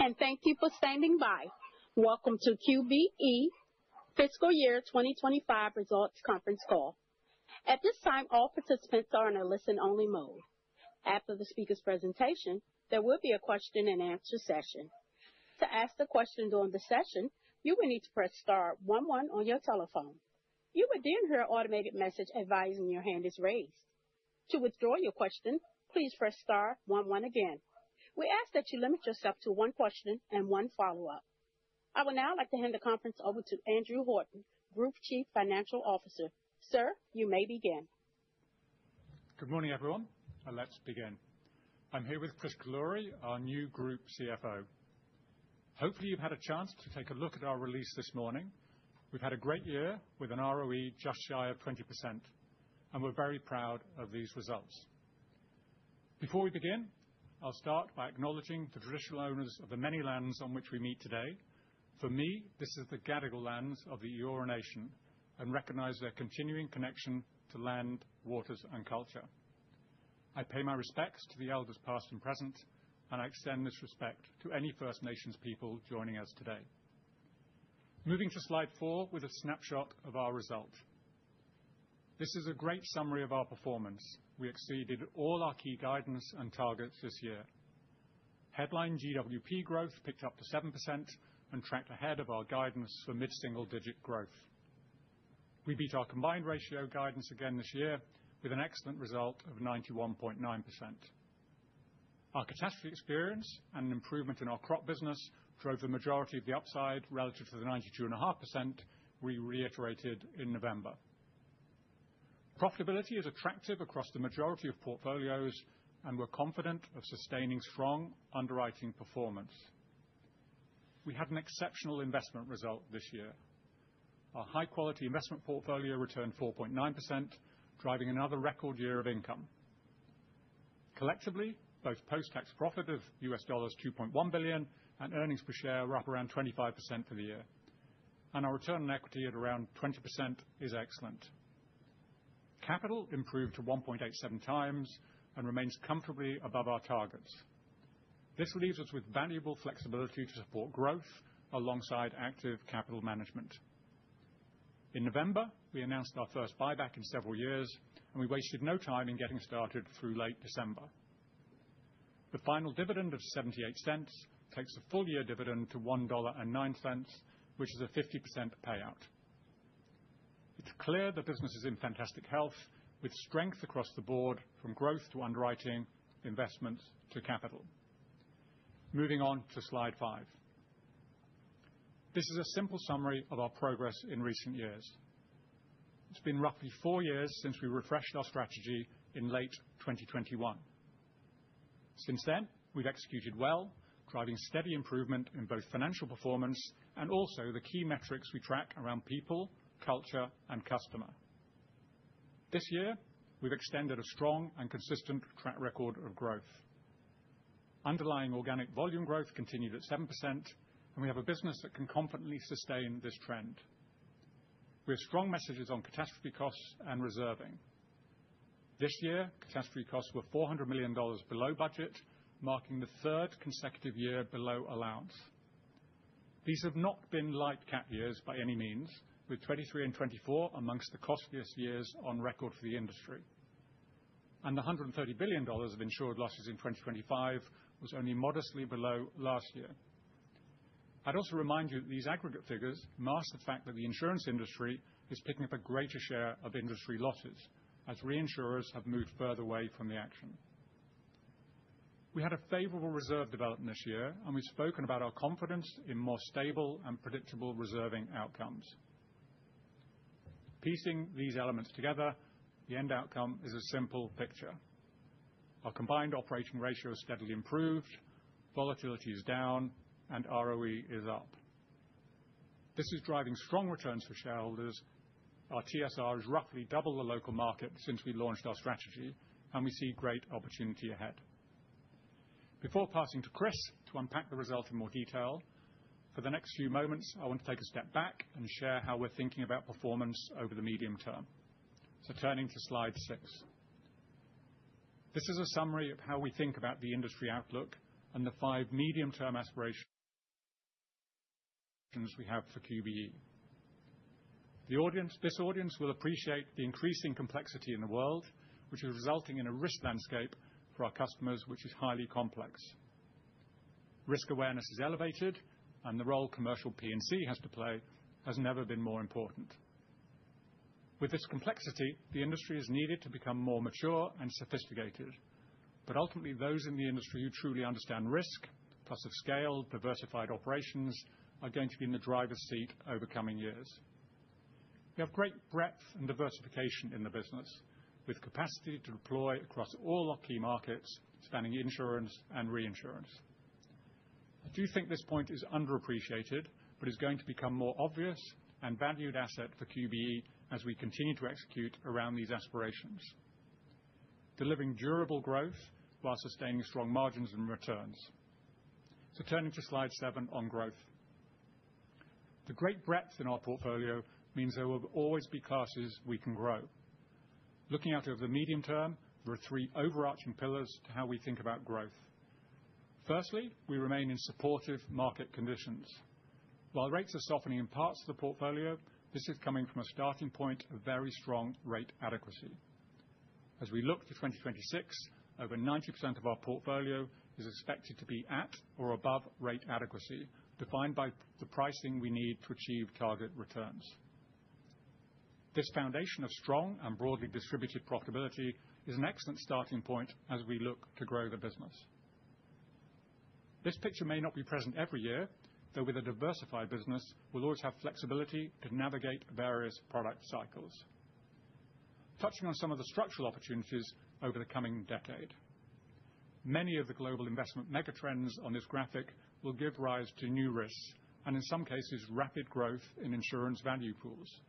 Hello, and thank you for standing by. Welcome to QBE Fiscal Year 2025 Results Conference Call. At this time, all participants are in a listen-only mode. After the speaker's presentation, there will be a question-and-answer session. To ask the question during the session, you will need to press star one one on your telephone. You will then hear an automated message advising your hand is raised. To withdraw your question, please press star one one again. We ask that you limit yourself to one question and one follow-up. I would now like to hand the conference over to Andrew Horton, Group Chief Executive Officer. Sir, you may begin. Good morning, everyone, and let's begin. I'm here with Chris Killourhy, our new Group CFO. Hopefully, you've had a chance to take a look at our release this morning. We've had a great year with an ROE just shy of 20%, and we're very proud of these results. Before we begin, I'll start by acknowledging the traditional owners of the many lands on which we meet today. For me, this is the Gadigal lands of the Eora Nation, and recognize their continuing connection to land, waters, and culture. I pay my respects to the elders, past and present, and I extend this respect to any First Nations people joining us today. Moving to slide 4 with a snapshot of our results. This is a great summary of our performance. We exceeded all our key guidance and targets this year. Headline GWP growth picked up to 7% and tracked ahead of our guidance for mid-single digit growth. We beat our combined ratio guidance again this year with an excellent result of 91.9%. Our catastrophe experience and an improvement in our Crop business drove the majority of the upside relative to the 92.5% we reiterated in November. Profitability is attractive across the majority of portfolios, and we're confident of sustaining strong underwriting performance. We had an exceptional investment result this year. Our high-quality investment portfolio returned 4.9%, driving another record year of income. Collectively, both post-tax profit of $2.1 billion and earnings per share were up around 25% for the year, and our return on equity at around 20% is excellent. Capital improved to 1.87 times and remains comfortably above our targets. This leaves us with valuable flexibility to support growth alongside active capital management. In November, we announced our first buyback in several years, and we wasted no time in getting started through late December. The final dividend of 0.78 takes the full year dividend to 1.09 dollar, which is a 50% payout. It's clear the business is in fantastic health, with strength across the board from growth to underwriting, investment to capital. Moving on to slide 5. This is a simple summary of our progress in recent years. It's been roughly 4 years since we refreshed our strategy in late 2021. Since then, we've executed well, driving steady improvement in both financial performance and also the key metrics we track around people, culture, and customer. This year, we've extended a strong and consistent track record of growth. Underlying organic volume growth continued at 7%, and we have a business that can confidently sustain this trend. We have strong messages on catastrophe costs and reserving. This year, catastrophe costs were $400 million below budget, marking the third consecutive year below allowance. These have not been light cat years by any means, with 2023 and 2024 amongst the costliest years on record for the industry. And the $130 billion of insured losses in 2025 was only modestly below last year. I'd also remind you that these aggregate figures mask the fact that the insurance industry is picking up a greater share of industry losses as reinsurers have moved further away from the action. We had a favorable reserve development this year, and we've spoken about our confidence in more stable and predictable reserving outcomes. Piecing these elements together, the end outcome is a simple picture. Our combined operating ratio has steadily improved, volatility is down, and ROE is up. This is driving strong returns for shareholders. Our TSR is roughly double the local market since we launched our strategy, and we see great opportunity ahead. Before passing to Chris to unpack the results in more detail, for the next few moments, I want to take a step back and share how we're thinking about performance over the medium term. So turning to slide 6. This is a summary of how we think about the industry outlook and the five medium-term aspirations we have for QBE. This audience will appreciate the increasing complexity in the world, which is resulting in a risk landscape for our customers, which is highly complex. Risk awareness is elevated, and the role commercial P&C has to play has never been more important. With this complexity, the industry is needed to become more mature and sophisticated, but ultimately, those in the industry who truly understand risk, plus have scaled, diversified operations, are going to be in the driver's seat over coming years. We have great breadth and diversification in the business, with capacity to deploy across all our key markets, spanning insurance and reinsurance. I do think this point is underappreciated but is going to become more obvious and valued asset for QBE as we continue to execute around these aspirations, delivering durable growth while sustaining strong margins and returns. Turning to slide 7 on growth.... The great breadth in our portfolio means there will always be classes we can grow. Looking out over the medium term, there are three overarching pillars to how we think about growth. Firstly, we remain in supportive market conditions. While rates are softening in parts of the portfolio, this is coming from a starting point of very strong rate adequacy. As we look to 2026, over 90% of our portfolio is expected to be at or above rate adequacy, defined by the pricing we need to achieve target returns. This foundation of strong and broadly distributed profitability is an excellent starting point as we look to grow the business. This picture may not be present every year, though with a diversified business, we'll always have flexibility to navigate various product cycles. Touching on some of the structural opportunities over the coming decade, many of the global investment mega trends on this graphic will give rise to new risks, and in some cases, rapid growth in insurance value pools.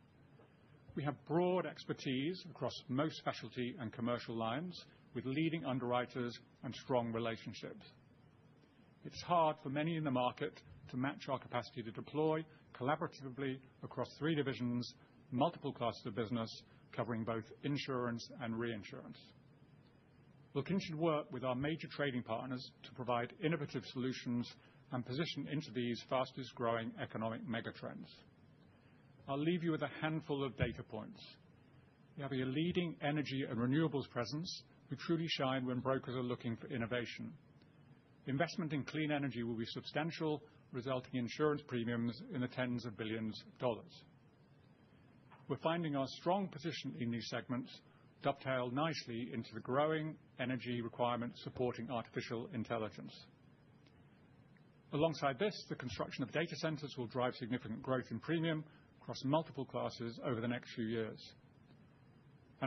We have broad expertise across most specialty and commercial lines, with leading underwriters and strong relationships. It's hard for many in the market to match our capacity to deploy collaboratively across three divisions, multiple classes of business, covering both insurance and reinsurance. Looking to work with our major trading partners to provide innovative solutions and position into these fastest growing economic mega trends. I'll leave you with a handful of data points. We have a leading energy and renewables presence. We truly shine when brokers are looking for innovation. Investment in clean energy will be substantial, resulting in insurance premiums in the $10s of billions. We're finding our strong position in these segments dovetail nicely into the growing energy requirement, supporting artificial intelligence. Alongside this, the construction of data centers will drive significant growth in premium across multiple classes over the next few years.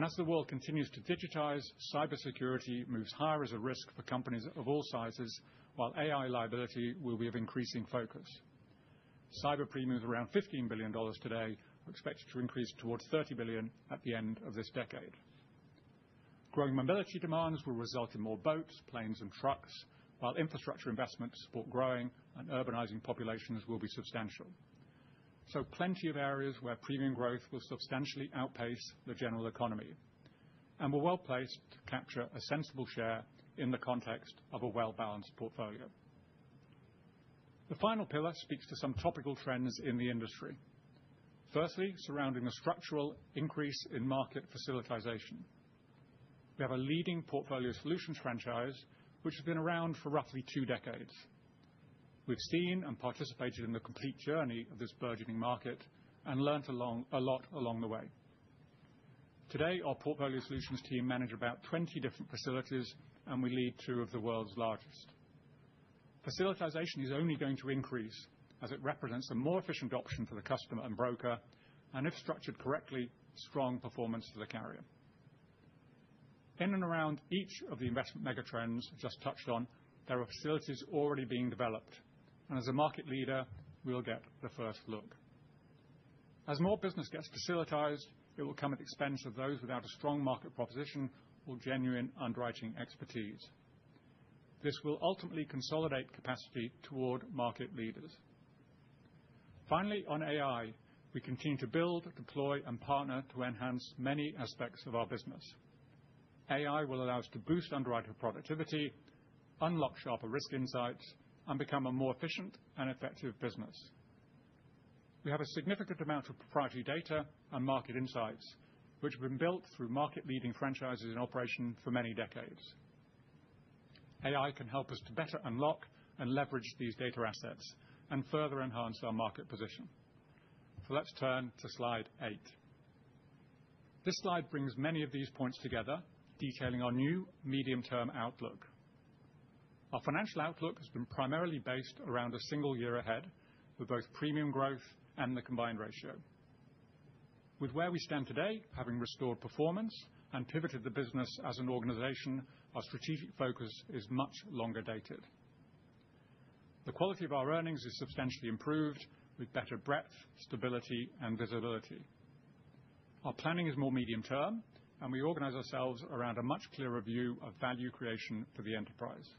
As the world continues to digitize, cybersecurity moves higher as a risk for companies of all sizes, while AI liability will be of increasing focus. Cyber premium is around $15 billion today, are expected to increase towards $30 billion at the end of this decade. Growing mobility demands will result in more boats, planes, and trucks, while infrastructure investments support growing and urbanizing populations will be substantial. So plenty of areas where premium growth will substantially outpace the general economy, and we're well placed to capture a sensible share in the context of a well-balanced portfolio. The final pillar speaks to some topical trends in the industry. Firstly, surrounding the structural increase in market facilitization. We have a leading Portfolio Solutions franchise, which has been around for roughly two decades. We've seen and participated in the complete journey of this burgeoning market and learned along, a lot along the way. Today, our Portfolio Solutions team manage about 20 different facilities, and we lead two of the world's largest. Facilitization is only going to increase as it represents a more efficient option for the customer and broker, and if structured correctly, strong performance to the carrier. In and around each of the investment mega trends I just touched on, there are facilities already being developed, and as a market leader, we'll get the first look. As more business gets facilitized, it will come at the expense of those without a strong market proposition or genuine underwriting expertise. This will ultimately consolidate capacity toward market leaders. Finally, on AI, we continue to build, deploy, and partner to enhance many aspects of our business. AI will allow us to boost underwriter productivity, unlock sharper risk insights, and become a more efficient and effective business. We have a significant amount of proprietary data and market insights, which have been built through market-leading franchises in operation for many decades. AI can help us to better unlock and leverage these data assets and further enhance our market position. Let's turn to slide 8. This slide brings many of these points together, detailing our new medium-term outlook. Our financial outlook has been primarily based around a single year ahead, with both premium growth and the combined ratio. With where we stand today, having restored performance and pivoted the business as an organization, our strategic focus is much longer dated. The quality of our earnings is substantially improved, with better breadth, stability, and visibility. Our planning is more medium term, and we organize ourselves around a much clearer view of value creation for the enterprise.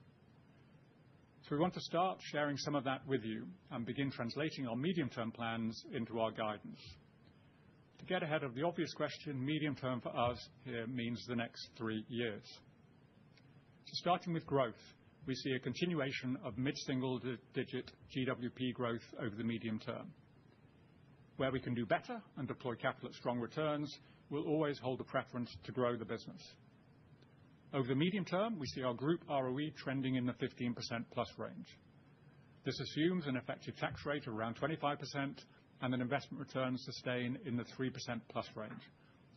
So we want to start sharing some of that with you and begin translating our medium-term plans into our guidance. To get ahead of the obvious question, medium term for us here means the next three years. So starting with growth, we see a continuation of mid-single-digit GWP growth over the medium term. Where we can do better and deploy capital at strong returns, we'll always hold a preference to grow the business. Over the medium term, we see our group ROE trending in the 15%+ range. This assumes an effective tax rate around 25% and an investment return sustained in the 3%+ range,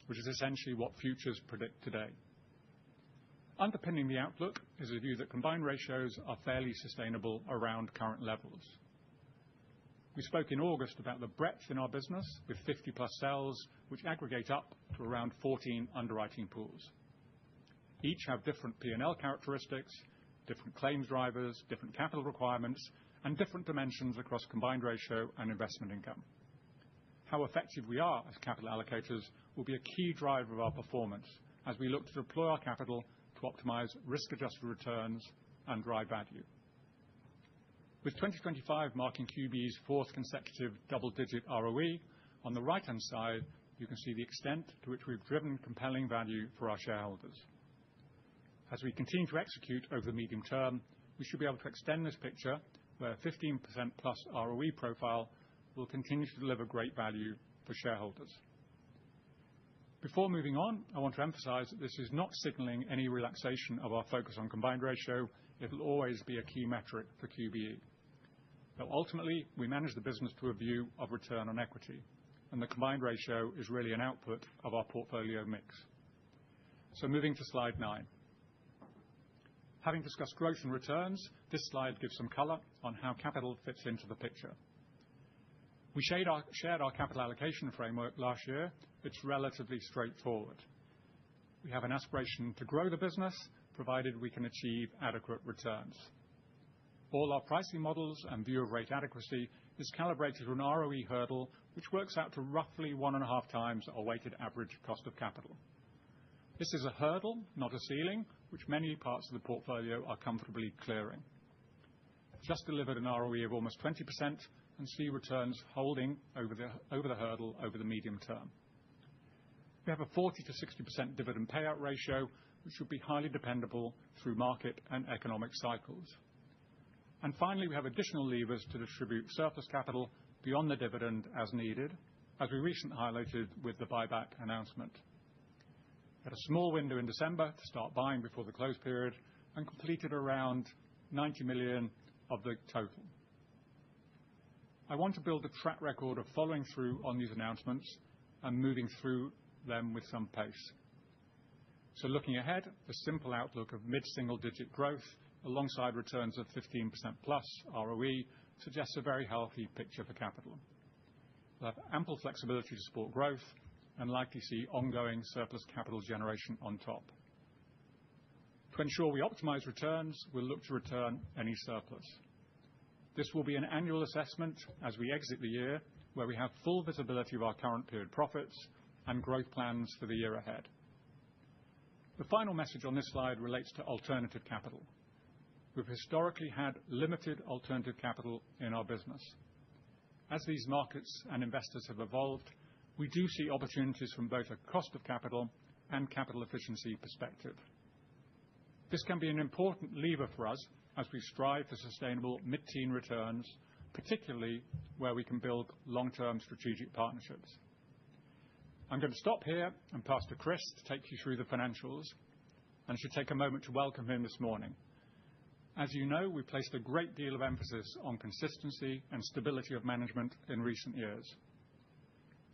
which is essentially what futures predict today. Underpinning the outlook is a view that combined ratios are fairly sustainable around current levels. We spoke in August about the breadth in our business with 50+ cells, which aggregate up to around 14 underwriting pools. Each have different P&L characteristics, different claims drivers, different capital requirements, and different dimensions across combined ratio and investment income.... how effective we are as capital allocators will be a key driver of our performance as we look to deploy our capital to optimize risk-adjusted returns and drive value. With 2025 marking QBE's fourth consecutive double-digit ROE, on the right-hand side, you can see the extent to which we've driven compelling value for our shareholders. As we continue to execute over the medium term, we should be able to extend this picture, where a 15%+ ROE profile will continue to deliver great value for shareholders. Before moving on, I want to emphasize that this is not signaling any relaxation of our focus on combined ratio. It'll always be a key metric for QBE. Now, ultimately, we manage the business through a view of return on equity, and the combined ratio is really an output of our portfolio mix. So moving to slide 9. Having discussed growth and returns, this slide gives some color on how capital fits into the picture. We shared our capital allocation framework last year. It's relatively straightforward. We have an aspiration to grow the business, provided we can achieve adequate returns. All our pricing models and view of rate adequacy is calibrated to an ROE hurdle, which works out to roughly 1.5 times our weighted average cost of capital. This is a hurdle, not a ceiling, which many parts of the portfolio are comfortably clearing. Just delivered an ROE of almost 20%, and see returns holding over the hurdle over the medium term. We have a 40%-60% dividend payout ratio, which will be highly dependable through market and economic cycles. And finally, we have additional levers to distribute surplus capital beyond the dividend as needed, as we recently highlighted with the buyback announcement. Had a small window in December to start buying before the close period and completed around $90 million of the total. I want to build a track record of following through on these announcements and moving through them with some pace. So looking ahead, the simple outlook of mid-single-digit growth alongside returns of 15%+ ROE suggests a very healthy picture for capital. We'll have ample flexibility to support growth and likely see ongoing surplus capital generation on top. To ensure we optimize returns, we'll look to return any surplus. This will be an annual assessment as we exit the year, where we have full visibility of our current period profits and growth plans for the year ahead. The final message on this slide relates to alternative capital. We've historically had limited alternative capital in our business. As these markets and investors have evolved, we do see opportunities from both a cost of capital and capital efficiency perspective. This can be an important lever for us as we strive for sustainable mid-teen returns, particularly where we can build long-term strategic partnerships. I'm going to stop here and pass to Chris to take you through the financials, and I should take a moment to welcome him this morning. As you know, we placed a great deal of emphasis on consistency and stability of management in recent years.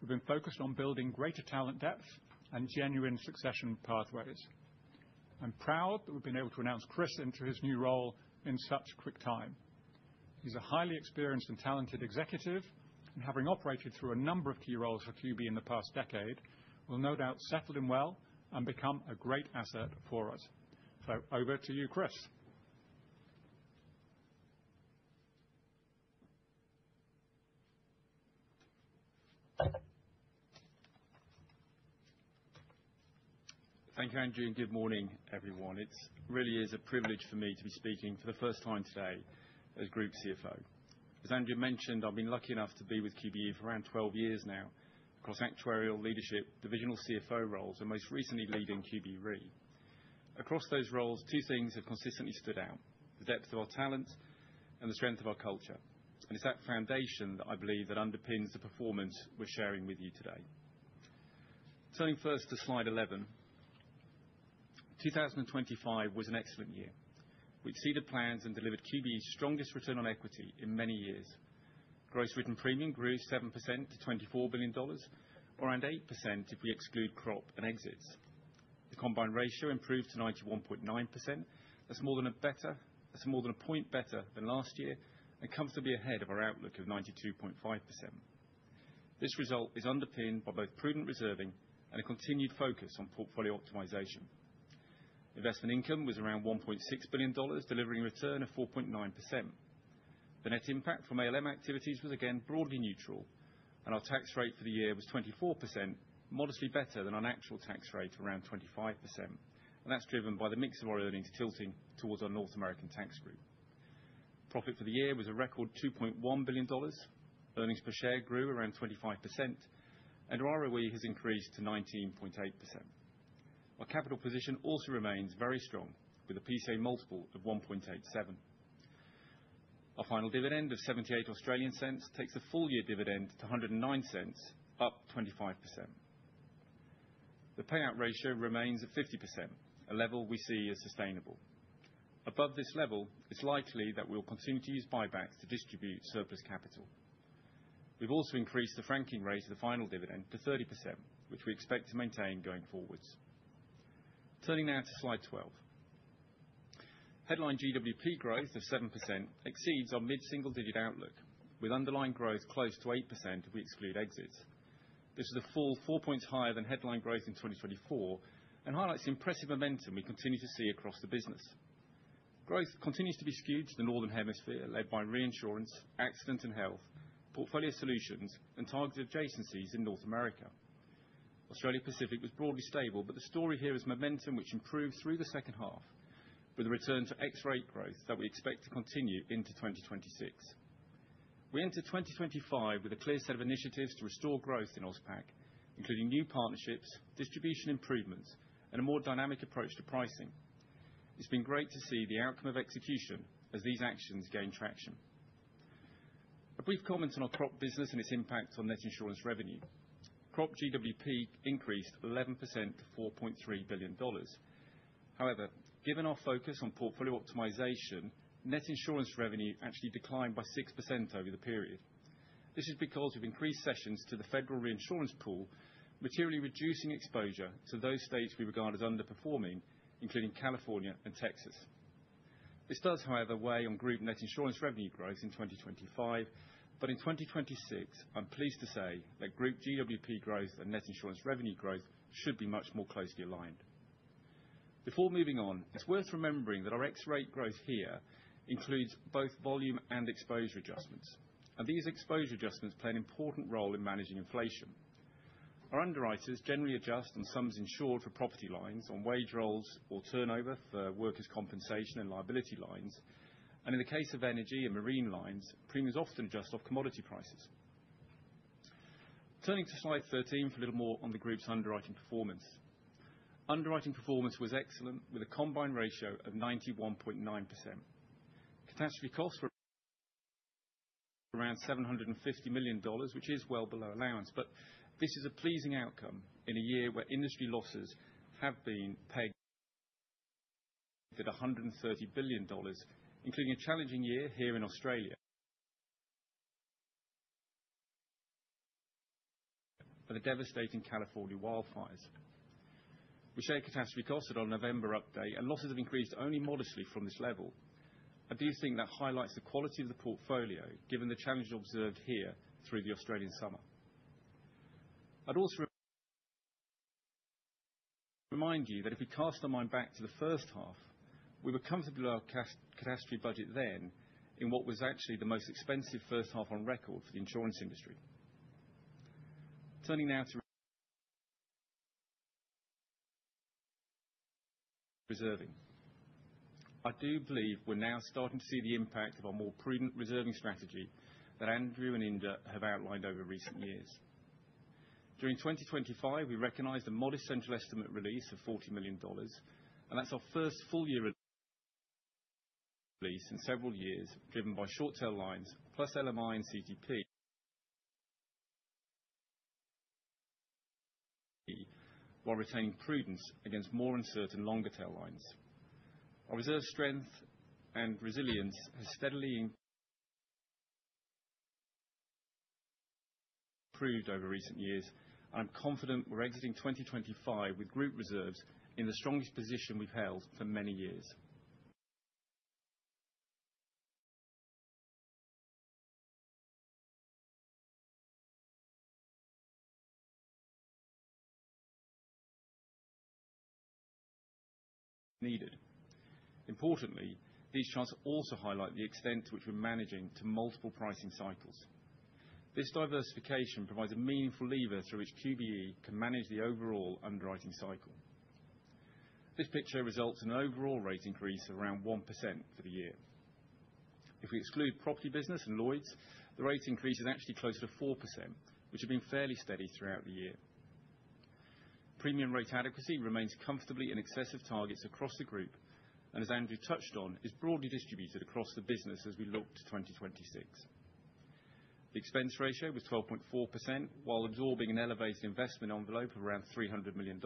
We've been focused on building greater talent depth and genuine succession pathways. I'm proud that we've been able to announce Chris into his new role in such quick time. He's a highly experienced and talented executive, and having operated through a number of key roles for QBE in the past decade, will no doubt settle in well and become a great asset for us. So over to you, Chris. Thank you, Andrew, and good morning, everyone. It really is a privilege for me to be speaking for the first time today as Group CFO. As Andrew mentioned, I've been lucky enough to be with QBE for around 12 years now across actuarial, leadership, divisional CFO roles, and most recently, leading QBE Re. Across those roles, two things have consistently stood out: the depth of our talent and the strength of our culture. It's that foundation that I believe that underpins the performance we're sharing with you today. Turning first to slide 11. 2025 was an excellent year. We'd seeded plans and delivered QBE's strongest return on equity in many years. Gross written premium grew 7% to $24 billion, or around 8% if we exclude crop and exits. The combined ratio improved to 91.9%. That's more than a point better than last year and comfortably ahead of our outlook of 92.5%. This result is underpinned by both prudent reserving and a continued focus on portfolio optimization. Investment income was around $1.6 billion, delivering a return of 4.9%. The net impact from ALM activities was again broadly neutral, and our tax rate for the year was 24%, modestly better than our actual tax rate of around 25%. And that's driven by the mix of our earnings tilting towards our North American tax group. Profit for the year was a record $2.1 billion. Earnings per share grew around 25%, and our ROE has increased to 19.8%. Our capital position also remains very strong, with a PCA multiple of 1.87. Our final dividend of 0.78 takes the full-year dividend to 1.09, up 25%. The payout ratio remains at 50%, a level we see as sustainable. Above this level, it's likely that we'll continue to use buybacks to distribute surplus capital. We've also increased the franking rate of the final dividend to 30%, which we expect to maintain going forwards. Turning now to slide 12. Headline GWP growth of 7% exceeds our mid-single-digit outlook, with underlying growth close to 8% if we exclude exits. This is a full 4 points higher than headline growth in 2024 and highlights the impressive momentum we continue to see across the business. Growth continues to be skewed to the northern hemisphere, led by reinsurance, Accident & Health, Portfolio Solutions, and targeted adjacencies in North America. Australia Pacific was broadly stable, but the story here is momentum, which improved through the second half, with a return to ex-rate growth that we expect to continue into 2026. We entered 2025 with a clear set of initiatives to restore growth in AusPac, including new partnerships, distribution improvements, and a more dynamic approach to pricing. It's been great to see the outcome of execution as these actions gain traction. A brief comment on our Crop business and its impact on net insurance revenue. Crop GWP increased 11% to $4.3 billion. However, given our focus on portfolio optimization, net insurance revenue actually declined by 6% over the period. This is because we've increased cessions to the Federal Reinsurance Pool, materially reducing exposure to those states we regard as underperforming, including California and Texas. This does, however, weigh on group net insurance revenue growth in 2025, but in 2026, I'm pleased to say that group GWP growth and net insurance revenue growth should be much more closely aligned. Before moving on, it's worth remembering that our ex-rate growth here includes both volume and exposure adjustments, and these exposure adjustments play an important role in managing inflation. Our underwriters generally adjust on sums insured for property lines on wage rolls or turnover for workers' compensation and liability lines, and in the case of energy and marine lines, premiums often adjust off commodity prices. Turning to slide 13 for a little more on the group's underwriting performance. Underwriting performance was excellent, with a combined ratio of 91.9%. Catastrophe costs were around $750 million, which is well below allowance, but this is a pleasing outcome in a year where industry losses have been pegged at $130 billion, including a challenging year here in Australia, and the devastating California wildfires. We share catastrophe costs on our November update, and losses have increased only modestly from this level. I do think that highlights the quality of the portfolio, given the challenges observed here through the Australian summer. I'd also remind you that if we cast our mind back to the first half, we were comfortably below our catastrophe budget then, in what was actually the most expensive first half on record for the insurance industry. Turning now to reserving. I do believe we're now starting to see the impact of our more prudent reserving strategy that Andrew and Inder have outlined over recent years. During 2025, we recognized a modest central estimate release of $40 million, and that's our first full year release in several years, driven by short tail lines, plus LMI and CTP, while retaining prudence against more uncertain longer tail lines. Our reserve strength and resilience has steadily improved over recent years, and I'm confident we're exiting 2025 with group reserves in the strongest position we've held for many years. Indeed. Importantly, these charts also highlight the extent to which we're managing to multiple pricing cycles. This diversification provides a meaningful lever through which QBE can manage the overall underwriting cycle. This picture results in an overall rate increase of around 1% for the year. If we exclude property business and Lloyd's, the rate increase is actually closer to 4%, which has been fairly steady throughout the year. Premium rate adequacy remains comfortably in excess of targets across the group, and as Andrew touched on, is broadly distributed across the business as we look to 2026. The expense ratio was 12.4%, while absorbing an elevated investment envelope of around $300 million.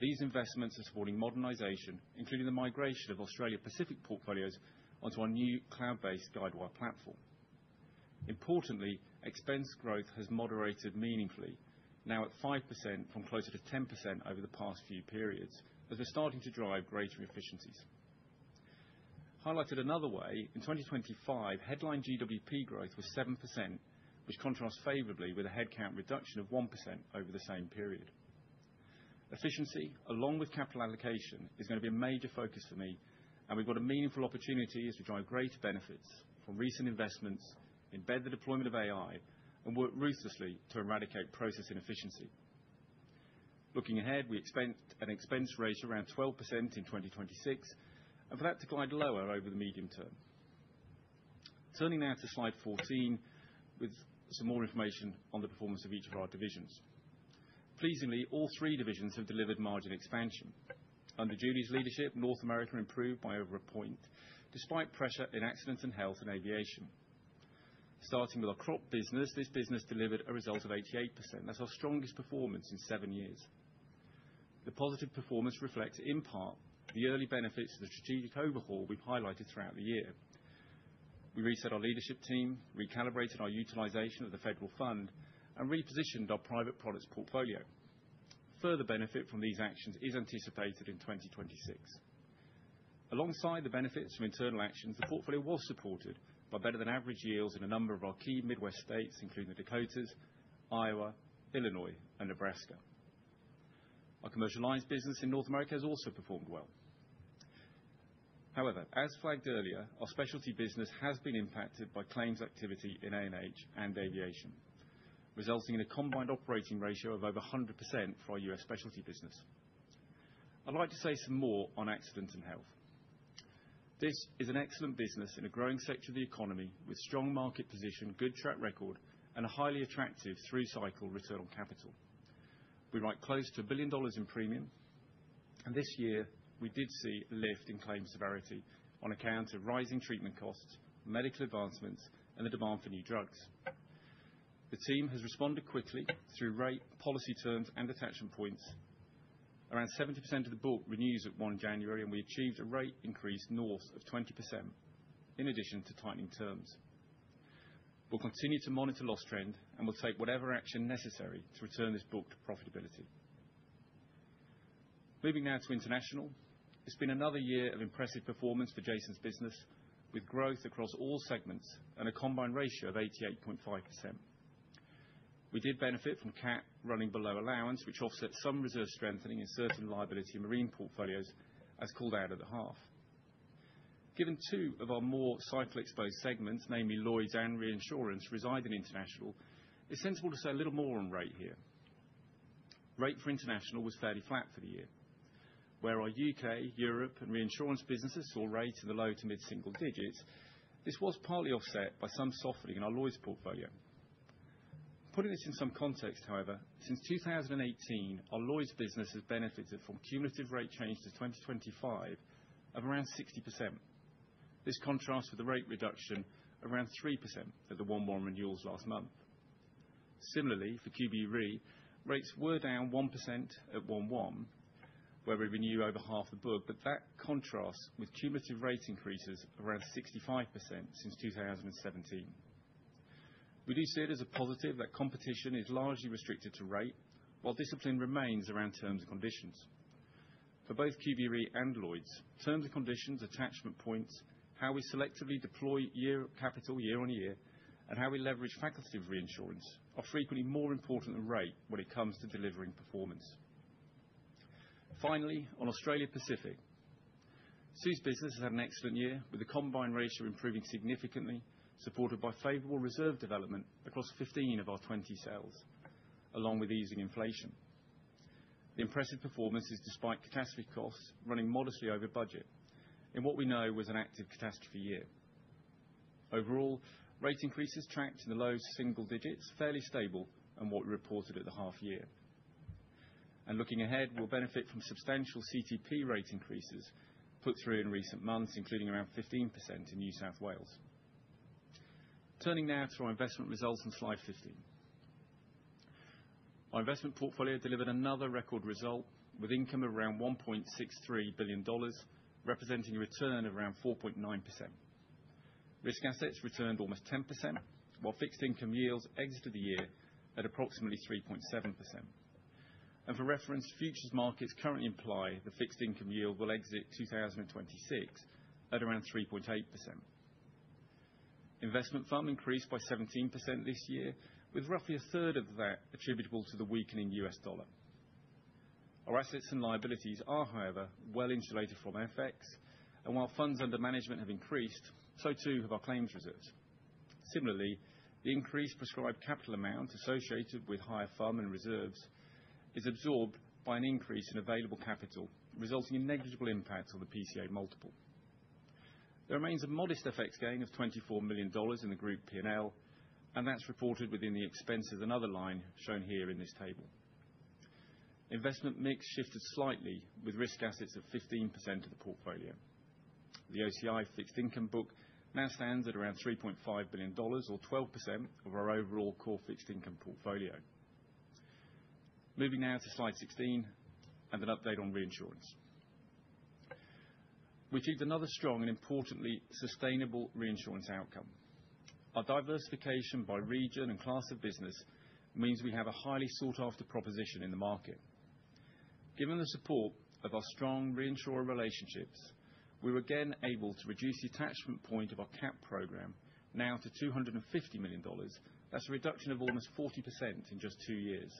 These investments are supporting modernization, including the migration of Australia Pacific portfolios onto our new cloud-based Guidewire platform. Importantly, expense growth has moderated meaningfully now at 5% from closer to 10% over the past few periods, as they're starting to drive greater efficiencies. Highlighted another way, in 2025, headline GWP growth was 7%, which contrasts favorably with a headcount reduction of 1% over the same period. Efficiency, along with capital allocation, is going to be a major focus for me, and we've got a meaningful opportunity as we drive greater benefits from recent investments, embed the deployment of AI, and work ruthlessly to eradicate process inefficiency. Looking ahead, we expect an expense rate around 12% in 2026, and for that to glide lower over the medium term. Turning now to slide 14, with some more information on the performance of each of our divisions. Pleasingly, all three divisions have delivered margin expansion. Under Julie's leadership, North America improved by over a point, despite pressure in Accidents & Health and Aviation. Starting with our Crop business, this business delivered a result of 88%. That's our strongest performance in 7 years. The positive performance reflects, in part, the early benefits of the strategic overhaul we've highlighted throughout the year. We reset our leadership team, recalibrated our utilization of the federal fund, and repositioned our private products portfolio. Further benefit from these actions is anticipated in 2026. Alongside the benefits from internal actions, the portfolio was supported by better than average yields in a number of our key Midwest states, including the Dakotas, Iowa, Illinois, and Nebraska. Our Commercial Lines business in North America has also performed well. However, as flagged earlier, our Specialty business has been impacted by claims activity in A&H and Aviation, resulting in a combined operating ratio of over 100% for our U.S. Specialty business. I'd like to say some more on Accidents & Health. This is an excellent business in a growing sector of the economy, with strong market position, good track record, and a highly attractive through-cycle return on capital. We write close to $1 billion in premium, and this year we did see a lift in claims severity on account of rising treatment costs, medical advancements, and the demand for new drugs. The team has responded quickly through rate, policy terms, and attachment points. Around 70% of the book renews at 1 January, and we achieved a rate increase north of 20% in addition to tightening terms. We'll continue to monitor loss trend, and we'll take whatever action necessary to return this book to profitability. Moving now to International. It's been another year of impressive performance for Jason's business, with growth across all segments and a combined ratio of 88.5%. We did benefit from cat running below allowance, which offset some reserve strengthening in certain liability marine portfolios, as called out at the half. Given two of our more cycle-exposed segments, namely Lloyd's and reinsurance, reside in International, it's sensible to say a little more on rate here. Rate for International was fairly flat for the year, where our UK, Europe, and reinsurance businesses saw rates in the low- to mid-single digits. This was partly offset by some softening in our Lloyd's portfolio. Putting this in some context, however, since 2018, our Lloyd's business has benefited from cumulative rate changes to 2025 of around 60%. This contrasts with the rate reduction around 3% at the 1/1 renewals last month. Similarly, for QBE Re, rates were down 1% at 1/1, where we renew over half the book, but that contrasts with cumulative rate increases around 65% since 2017. We do see it as a positive that competition is largely restricted to rate, while discipline remains around terms and conditions. For both QBE Re and Lloyd's, terms and conditions, attachment points, how we selectively deploy capital year-on-year, and how we leverage facultative reinsurance are frequently more important than rate when it comes to delivering performance. Finally, on Australia Pacific. Sue's business has had an excellent year, with a combined ratio improving significantly, supported by favorable reserve development across 15 of our 20 lines, along with easing inflation. The impressive performance is despite catastrophe costs running modestly over budget in what we know was an active catastrophe year. Overall, rate increases tracked in the low single digits, fairly stable, and what we reported at the half year. Looking ahead, we'll benefit from substantial CTP rate increases put through in recent months, including around 15% in New South Wales. Turning now to our investment results on slide 15. Our investment portfolio delivered another record result with income of around $1.63 billion, representing a return of around 4.9%. Risk assets returned almost 10%, while fixed income yields exited the year at approximately 3.7%. For reference, futures markets currently imply the fixed income yield will exit 2026 at around 3.8%. Investment FUM increased by 17% this year, with roughly a third of that attributable to the weakening U.S. dollar. Our assets and liabilities are, however, well insulated from FX, and while funds under management have increased, so too have our claims reserves. Similarly, the increased prescribed capital amount associated with higher FUM and reserves is absorbed by an increase in available capital, resulting in negligible impact on the PCA multiple. There remains a modest FX gain of $24 million in the Group P&L, and that's reported within the Expense and Other line shown here in this table. Investment mix shifted slightly, with risk assets of 15% of the portfolio. The OCI fixed income book now stands at around $3.5 billion, or 12% of our overall core fixed income portfolio. Moving now to slide 16, and an update on reinsurance. We achieved another strong and importantly, sustainable reinsurance outcome. Our diversification by region and class of business means we have a highly sought-after proposition in the market. Given the support of our strong reinsurer relationships, we were again able to reduce the attachment point of our cat program now to $250 million. That's a reduction of almost 40% in just two years.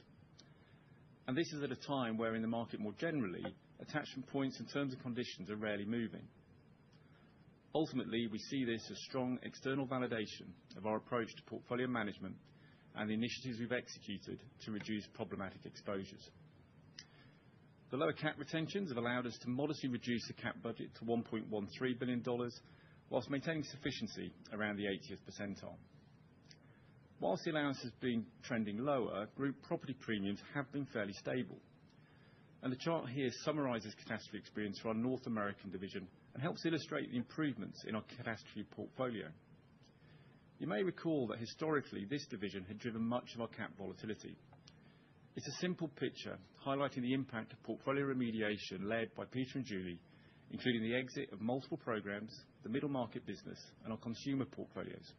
This is at a time where in the market more generally, attachment points and terms and conditions are rarely moving. Ultimately, we see this as strong external validation of our approach to portfolio management and the initiatives we've executed to reduce problematic exposures. The lower cat retentions have allowed us to modestly reduce the cat budget to $1.13 billion, while maintaining sufficiency around the 80th percentile. While the allowance has been trending lower, group property premiums have been fairly stable, and the chart here summarizes catastrophe experience for our North American division and helps illustrate the improvements in our catastrophe portfolio. You may recall that historically, this division had driven much of our cat volatility. It's a simple picture highlighting the impact of portfolio remediation led by Peter and Julie, including the exit of multiple programs, the Middle Market business, and our Consumer Portfolios.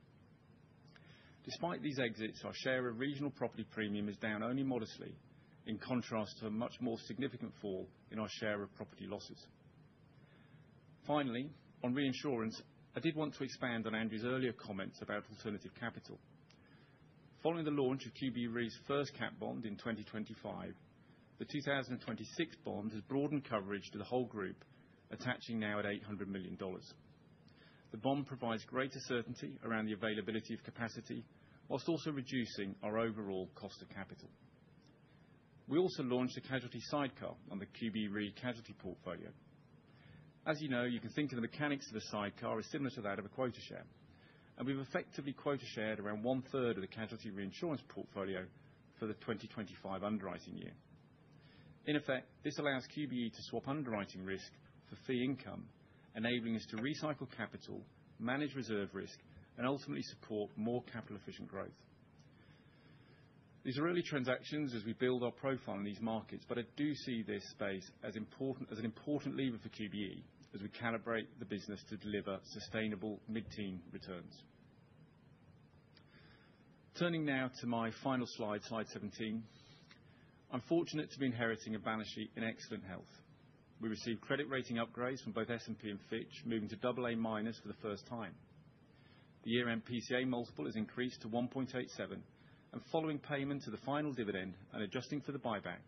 Despite these exits, our share of regional property premium is down only modestly, in contrast to a much more significant fall in our share of property losses. Finally, on reinsurance, I did want to expand on Andrew's earlier comments about alternative capital. Following the launch of QBE Re's first cat bond in 2025, the 2026 bond has broadened coverage to the whole group, attaching now at $800 million. The bond provides greater certainty around the availability of capacity, while also reducing our overall cost of capital. We also launched a casualty sidecar on the QBE Re casualty portfolio. As you know, you can think of the mechanics of a sidecar as similar to that of a quota share, and we've effectively quota shared around one-third of the casualty reinsurance portfolio for the 2025 underwriting year. In effect, this allows QBE to swap underwriting risk for fee income, enabling us to recycle capital, manage reserve risk, and ultimately support more capital efficient growth. These are early transactions as we build our profile in these markets, but I do see this space as important, as an important lever for QBE as we calibrate the business to deliver sustainable mid-teen returns. Turning now to my final slide, slide 17. I'm fortunate to be inheriting a balance sheet in excellent health. We received credit rating upgrades from both S&P and Fitch, moving to AA- for the first time. The year-end PCA multiple has increased to 1.87, and following payment to the final dividend and adjusting for the buyback,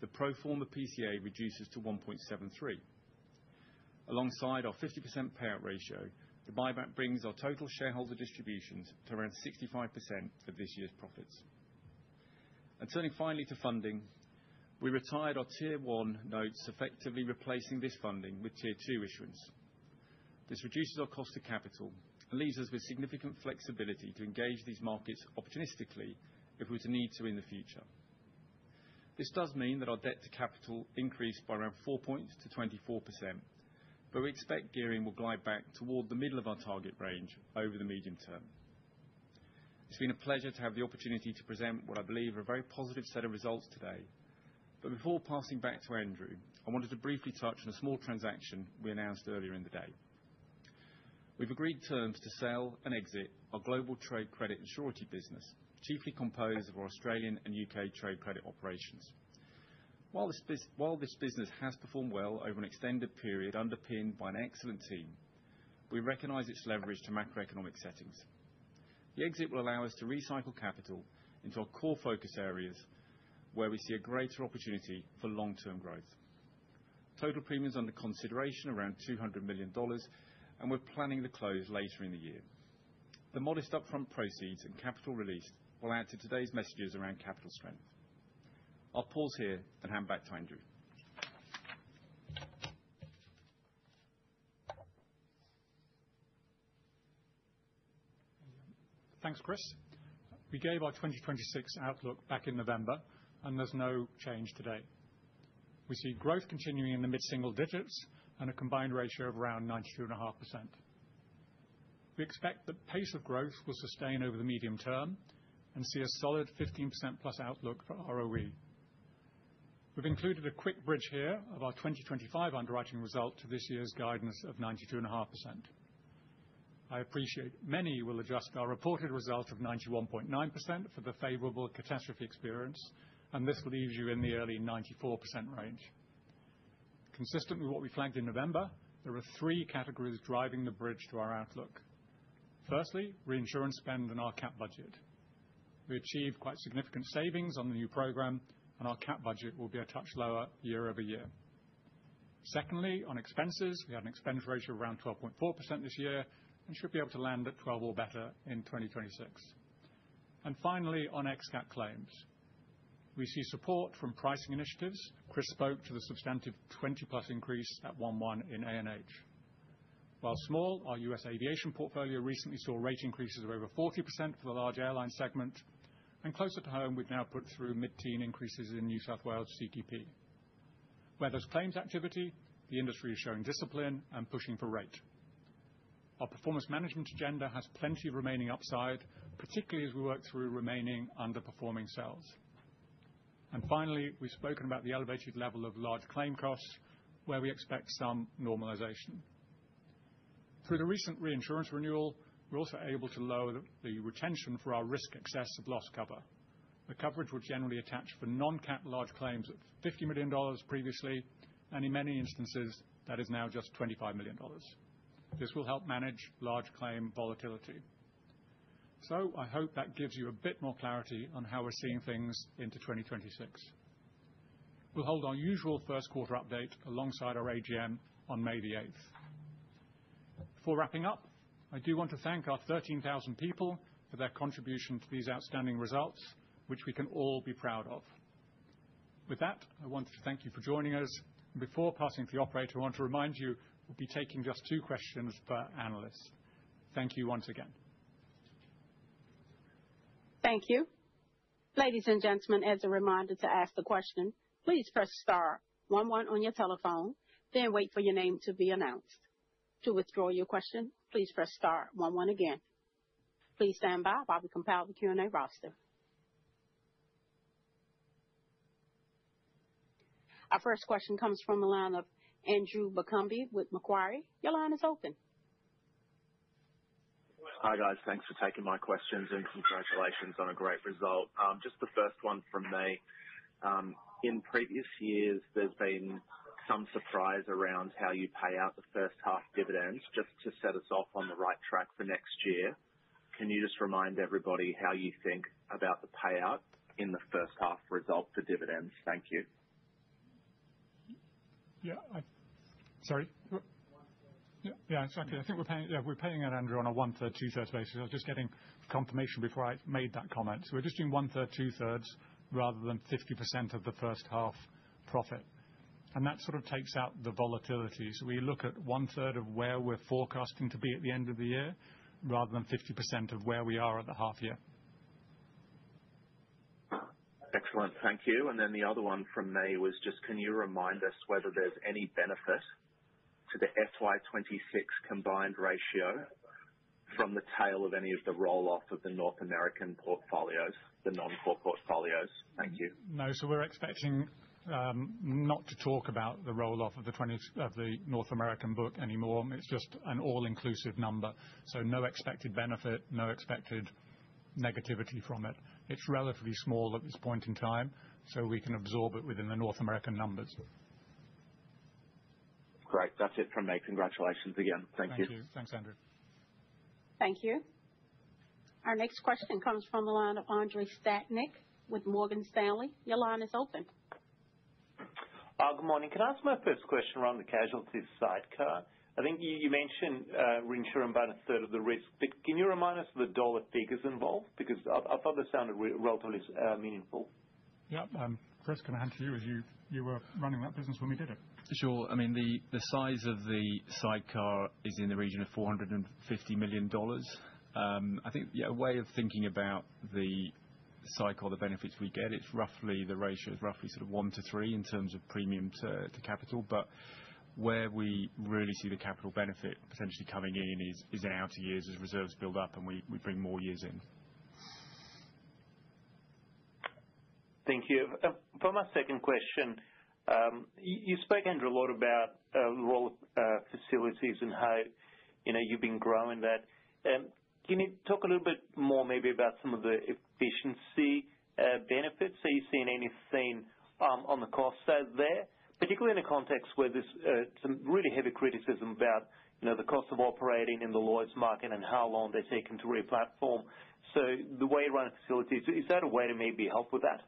the pro forma PCA reduces to 1.73. Alongside our 50% payout ratio, the buyback brings our total shareholder distributions to around 65% for this year's profits. And turning finally to funding, we retired our Tier 1 notes, effectively replacing this funding with Tier 2 issuance. This reduces our cost of capital and leaves us with significant flexibility to engage these markets opportunistically if we're to need to in the future. This does mean that our debt to capital increased by around 4 points to 24%, but we expect gearing will glide back toward the middle of our target range over the medium term. It's been a pleasure to have the opportunity to present what I believe are a very positive set of results today. But before passing back to Andrew, I wanted to briefly touch on a small transaction we announced earlier in the day. We've agreed terms to sell and exit our Global Trade Credit and Surety business, chiefly composed of our Australian and UK trade credit operations. While this business has performed well over an extended period, underpinned by an excellent team, we recognize its leverage to macroeconomic settings. The exit will allow us to recycle capital into our core focus areas, where we see a greater opportunity for long-term growth. Total premiums under consideration, around $200 million, and we're planning to close later in the year. The modest upfront proceeds and capital release will add to today's messages around capital strength. I'll pause here and hand back to Andrew. Thanks, Chris. We gave our 2026 outlook back in November, and there's no change today. We see growth continuing in the mid-single digits and a combined ratio of around 92.5%. We expect the pace of growth will sustain over the medium term and see a solid 15%+ outlook for ROE. We've included a quick bridge here of our 2025 underwriting result to this year's guidance of 92.5%. I appreciate many will adjust our reported result of 91.9% for the favorable catastrophe experience, and this leaves you in the early 94% range. Consistent with what we flagged in November, there are three categories driving the bridge to our outlook. Firstly, reinsurance spend and our cat budget. We achieved quite significant savings on the new program, and our cat budget will be a touch lower year-over-year. Secondly, on expenses, we had an expense ratio of around 12.4% this year and should be able to land at 12 or better in 2026. And finally, on ex-cat claims. We see support from pricing initiatives. Chris spoke to the substantive 20+ increase at 1/1 in A&H. While small, our U.S. aviation portfolio recently saw rate increases of over 40% for the Large Airline segment, and closer to home, we've now put through mid-teen increases in New South Wales CTP. Where there's claims activity, the industry is showing discipline and pushing for rate. Our performance management agenda has plenty of remaining upside, particularly as we work through remaining underperforming sales. And finally, we've spoken about the elevated level of large claim costs, where we expect some normalization. Through the recent reinsurance renewal, we're also able to lower the retention for our risk excess of loss cover. The coverage would generally attach for non-cat large claims of $50 million previously, and in many instances, that is now just $25 million. This will help manage large claim volatility. So I hope that gives you a bit more clarity on how we're seeing things into 2026. We'll hold our usual first quarter update alongside our AGM on May 8. Before wrapping up, I do want to thank our 13,000 people for their contribution to these outstanding results, which we can all be proud of. With that, I want to thank you for joining us, and before passing to the operator, I want to remind you we'll be taking just two questions per analyst. Thank you once again. Thank you. Ladies and gentlemen, as a reminder to ask the question, please press star one one on your telephone, then wait for your name to be announced. To withdraw your question, please press star one one again. Please stand by while we compile the Q&A roster. Our first question comes from the line of Andrew Buncombe with Macquarie. Your line is open. Hi, guys. Thanks for taking my questions, and congratulations on a great result. Just the first one from me. In previous years, there's been some surprise around how you pay out the first half dividends. Just to set us off on the right track for next year, can you just remind everybody how you think about the payout in the first half result for dividends? Thank you. Yeah, sorry, what? One third. Yeah, yeah, exactly. I think we're paying, yeah, we're paying it, Andrew, on a 1/3, 2/3 basis. I was just getting confirmation before I made that comment. So we're just doing 1/3, 2/3, rather than 50% of the first half profit. And that sort of takes out the volatility. So we look at 1/3 of where we're forecasting to be at the end of the year, rather than 50% of where we are at the half year. Excellent. Thank you. And then the other one from me was just, can you remind us whether there's any benefit to the FY 26 combined ratio from the tail of any of the roll-off of the North American portfolios, the non-core portfolios? Thank you. No. So we're expecting not to talk about the roll-off of the 2026 North American book anymore. It's just an all-inclusive number, so no expected benefit, no expected negativity from it. It's relatively small at this point in time, so we can absorb it within the North American numbers. Great. That's it from me. Congratulations again. Thank you. Thank you. Thanks, Andrew. Thank you. Our next question comes from the line of Andrei Stadnik with Morgan Stanley. Your line is open. Good morning. Can I ask my first question around the casualty sidecar? I think you, you mentioned reinsuring about a third of the risk, but can you remind us the dollar figures involved? Because I, I thought they sounded relatively meaningful. Yeah, Chris, can I hand to you, as you, you were running that business when we did it. Sure. I mean, the size of the sidecar is in the region of $450 million. I think, yeah, a way of thinking about the cycle, the benefits we get, it's roughly, the ratio is roughly sort of 1 to 3 in terms of premium to capital. But where we really see the capital benefit potentially coming in is in outer years as reserves build up, and we bring more years in. Thank you. For my second question, you spoke, Andrew, a lot about role of facilities and how, you know, you've been growing that. Can you talk a little bit more maybe about some of the efficiency benefits? Are you seeing anything on the cost side there, particularly in a context where there's some really heavy criticism about, you know, the cost of operating in the Lloyd's market and how long they're taking to re-platform? So the way you run facilities, is that a way to maybe help with that?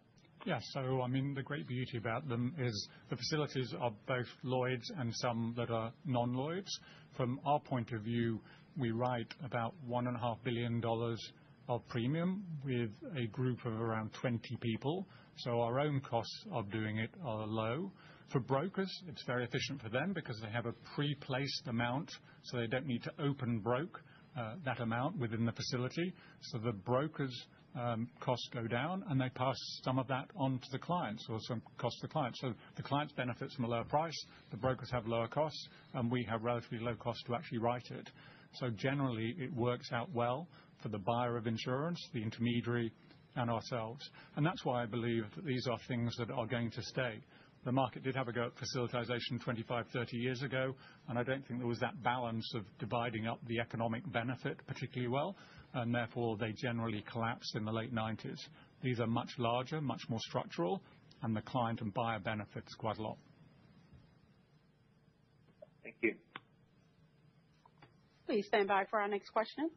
Yeah. So I mean, the great beauty about them is the facilities are both Lloyd's and some that are non-Lloyd's. From our point of view, we write about $1.5 billion of premium with a group of around 20 people. So our own costs of doing it are low. For brokers, it's very efficient for them because they have a pre-placed amount, so they don't need to open broke that amount within the facility. So the brokers' costs go down, and they pass some of that on to the clients, or some costs to clients. So the clients benefit from a lower price, the brokers have lower costs, and we have relatively low costs to actually write it. So generally, it works out well for the buyer of insurance, the intermediary, and ourselves, and that's why I believe that these are things that are going to stay. The market did have a go at facilitation 25, 30 years ago, and I don't think there was that balance of dividing up the economic benefit particularly well, and therefore, they generally collapsed in the late 1990s. These are much larger, much more structural, and the client and buyer benefits quite a lot. Thank you. Please stand by for our next question.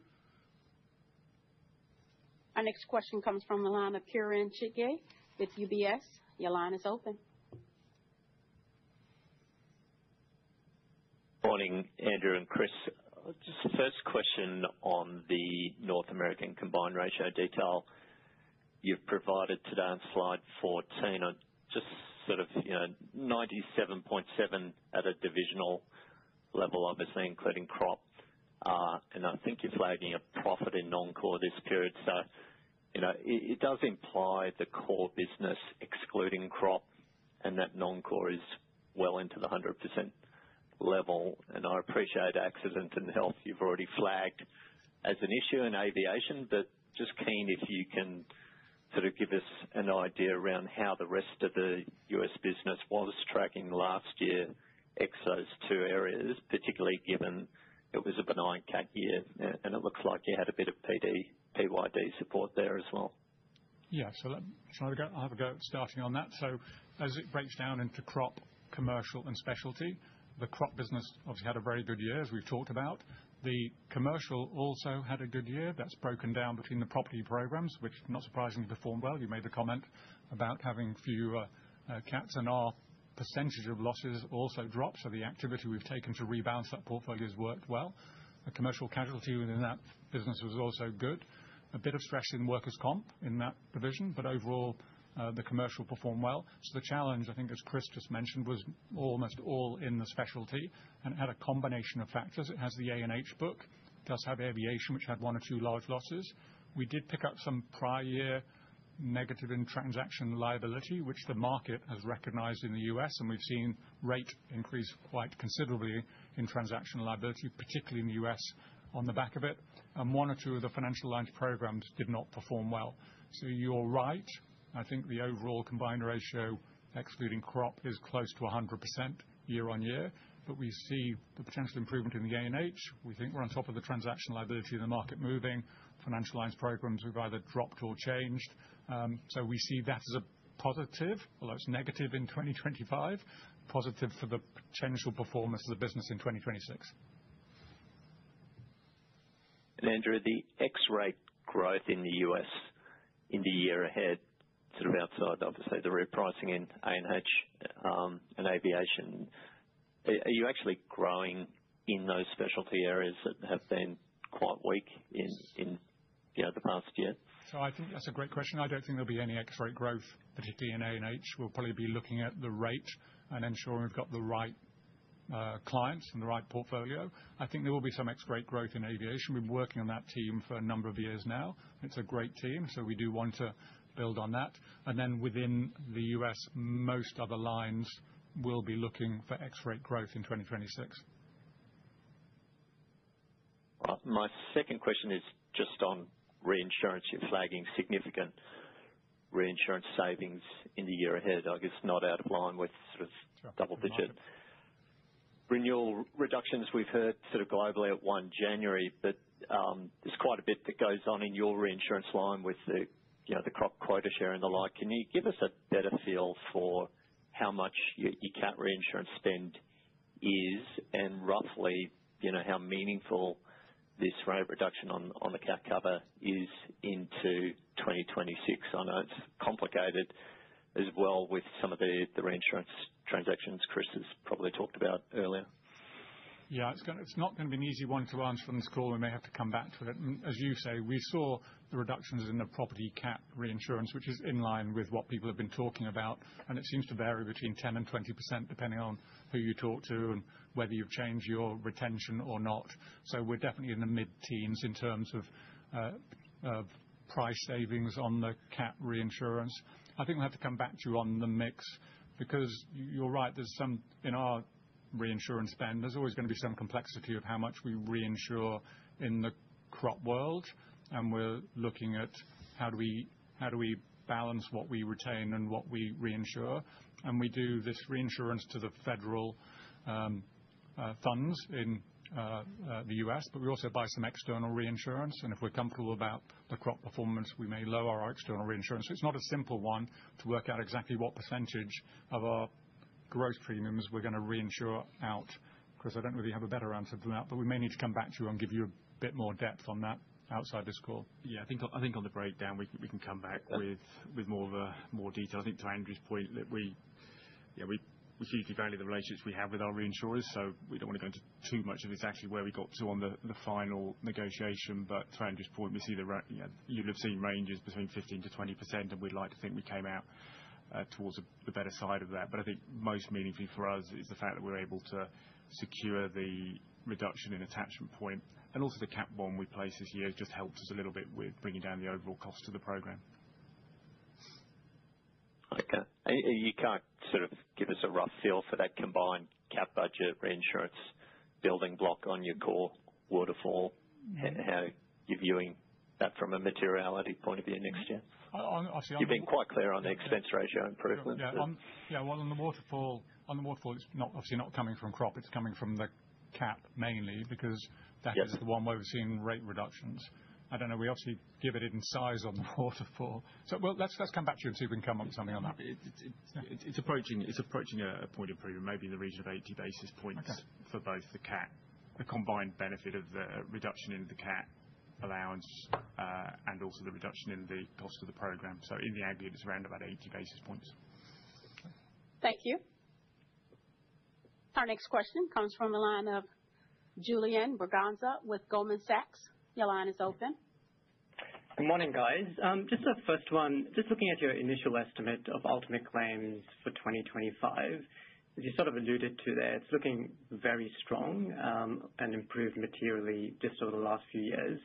Our next question comes from the line of Kieren Chidgey with UBS. Your line is open. Morning, Andrew and Chris. Just the first question on the North American combined ratio detail you've provided today on slide 14. On just sort of, you know, 97.7 at a divisional level, obviously including crop, and I think you're flagging a profit in non-core this period. So, you know, it, it does imply the core business excluding crop, and that non-core is well into the 100% level. And I appreciate Accidents & Health, you've already flagged as an issue in aviation, but just keen, if you can sort of give us an idea around how the rest of the U.S. business was tracking last year ex those two areas, particularly given it was a benign cat year, and, and it looks like you had a bit of PD, PYD support there as well. Yeah. So let me, shall I have a go at starting on that? So as it breaks down into crop, commercial, and specialty, the Crop business obviously had a very good year, as we've talked about. The commercial also had a good year. That's broken down between the property programs, which not surprisingly, performed well. You made the comment about having fewer cats, and our percentage of losses also dropped. So the activity we've taken to rebalance that portfolio has worked well. The commercial casualty within that business was also good. A bit of stress in workers' comp in that division, but overall, the commercial performed well. So the challenge, I think, as Chris just mentioned, was almost all in the specialty and had a combination of factors. It has the A&H book, it does have aviation, which had one or two large losses. We did pick up some prior year negative in transaction liability, which the market has recognized in the U.S., and we've seen rate increase quite considerably in transactional liability, particularly in the U.S., on the back of it. And one or two of the financial lines programs did not perform well. So you're right, I think the overall combined ratio, excluding crop, is close to 100% year-on-year, but we see the potential improvement in the A&H. We think we're on top of the transaction liability in the market moving. Financial lines programs, we've either dropped or changed. So we see that as a positive, although it's negative in 2025, positive for the potential performance of the business in 2026.... And Andrew, the ex-rate growth in the U.S. in the year ahead, sort of outside, obviously, the repricing in A&H and aviation. Are you actually growing in those specialty areas that have been quite weak in, you know, the past year? So I think that's a great question. I don't think there'll be any ex-rate growth, particularly in A&H. We'll probably be looking at the rate and ensuring we've got the right clients and the right portfolio. I think there will be some ex-rate growth in aviation. We've been working on that team for a number of years now. It's a great team, so we do want to build on that. And then within the U.S., most other lines will be looking for ex-rate growth in 2026. My second question is just on reinsurance. You're flagging significant reinsurance savings in the year ahead. I guess, not out of line with sort of double-digit renewal reductions we've heard sort of globally at 1 January, but there's quite a bit that goes on in your reinsurance line with the, you know, the crop quota share and the like. Can you give us a better feel for how much your, your cat reinsurance spend is, and roughly, you know, how meaningful this rate reduction on, on the cat cover is into 2026? I know it's complicated as well with some of the, the reinsurance transactions Chris has probably talked about earlier. Yeah, it's gonna—it's not gonna be an easy one to answer on this call. We may have to come back to it. And as you say, we saw the reductions in the property cat reinsurance, which is in line with what people have been talking about, and it seems to vary between 10%-20%, depending on who you talk to and whether you've changed your retention or not. So we're definitely in the mid-teens% in terms of price savings on the cat reinsurance. I think we'll have to come back to you on the mix, because you're right, there's some... In our reinsurance spend, there's always going to be some complexity of how much we reinsure in the crop world, and we're looking at how do we, how do we balance what we retain and what we reinsure? We do this reinsurance to the federal funds in the U.S., but we also buy some external reinsurance, and if we're comfortable about the crop performance, we may lower our external reinsurance. It's not a simple one to work out exactly what percentage of our growth premiums we're going to reinsure out. Chris, I don't really have a better answer to that, but we may need to come back to you and give you a bit more depth on that outside this call. Yeah, I think on the breakdown, we can come back with more detail. I think to Andrew's point, that we—yeah, we hugely value the relationships we have with our reinsurers, so we don't want to go into too much of it's actually where we got to on the final negotiation. But to Andrew's point, we see the ra—you know, you'd have seen ranges between 15%-20%, and we'd like to think we came out towards the better side of that. But I think most meaningfully for us is the fact that we're able to secure the reduction in attachment point, and also the cat bond we placed this year just helps us a little bit with bringing down the overall cost of the program. Okay. And you can't sort of give us a rough feel for that combined cat budget reinsurance building block on your core waterfall, and how you're viewing that from a materiality point of view next year? I obviously- You've been quite clear on the expense ratio improvement. Yeah, yeah, well, on the waterfall, on the waterfall, it's not, obviously not coming from crop, it's coming from the cat, mainly because- Yes. That is the one where we're seeing rate reductions. I don't know, we obviously give it in size on the waterfall. So well, let's, let's come back to it and see if we can come up with something on that. It's approaching a point of improvement, maybe in the region of 80 basis points- Okay. for both the cat, the combined benefit of the reduction in the cat allowance, and also the reduction in the cost of the program. So in the aggregate, it's around about 80 basis points. Okay. Thank you. Our next question comes from the line of Julian Braganza with Goldman Sachs. Your line is open. Good morning, guys. Just a first one. Just looking at your initial estimate of ultimate claims for 2025, you sort of alluded to that it's looking very strong, and improved materially just over the last few years,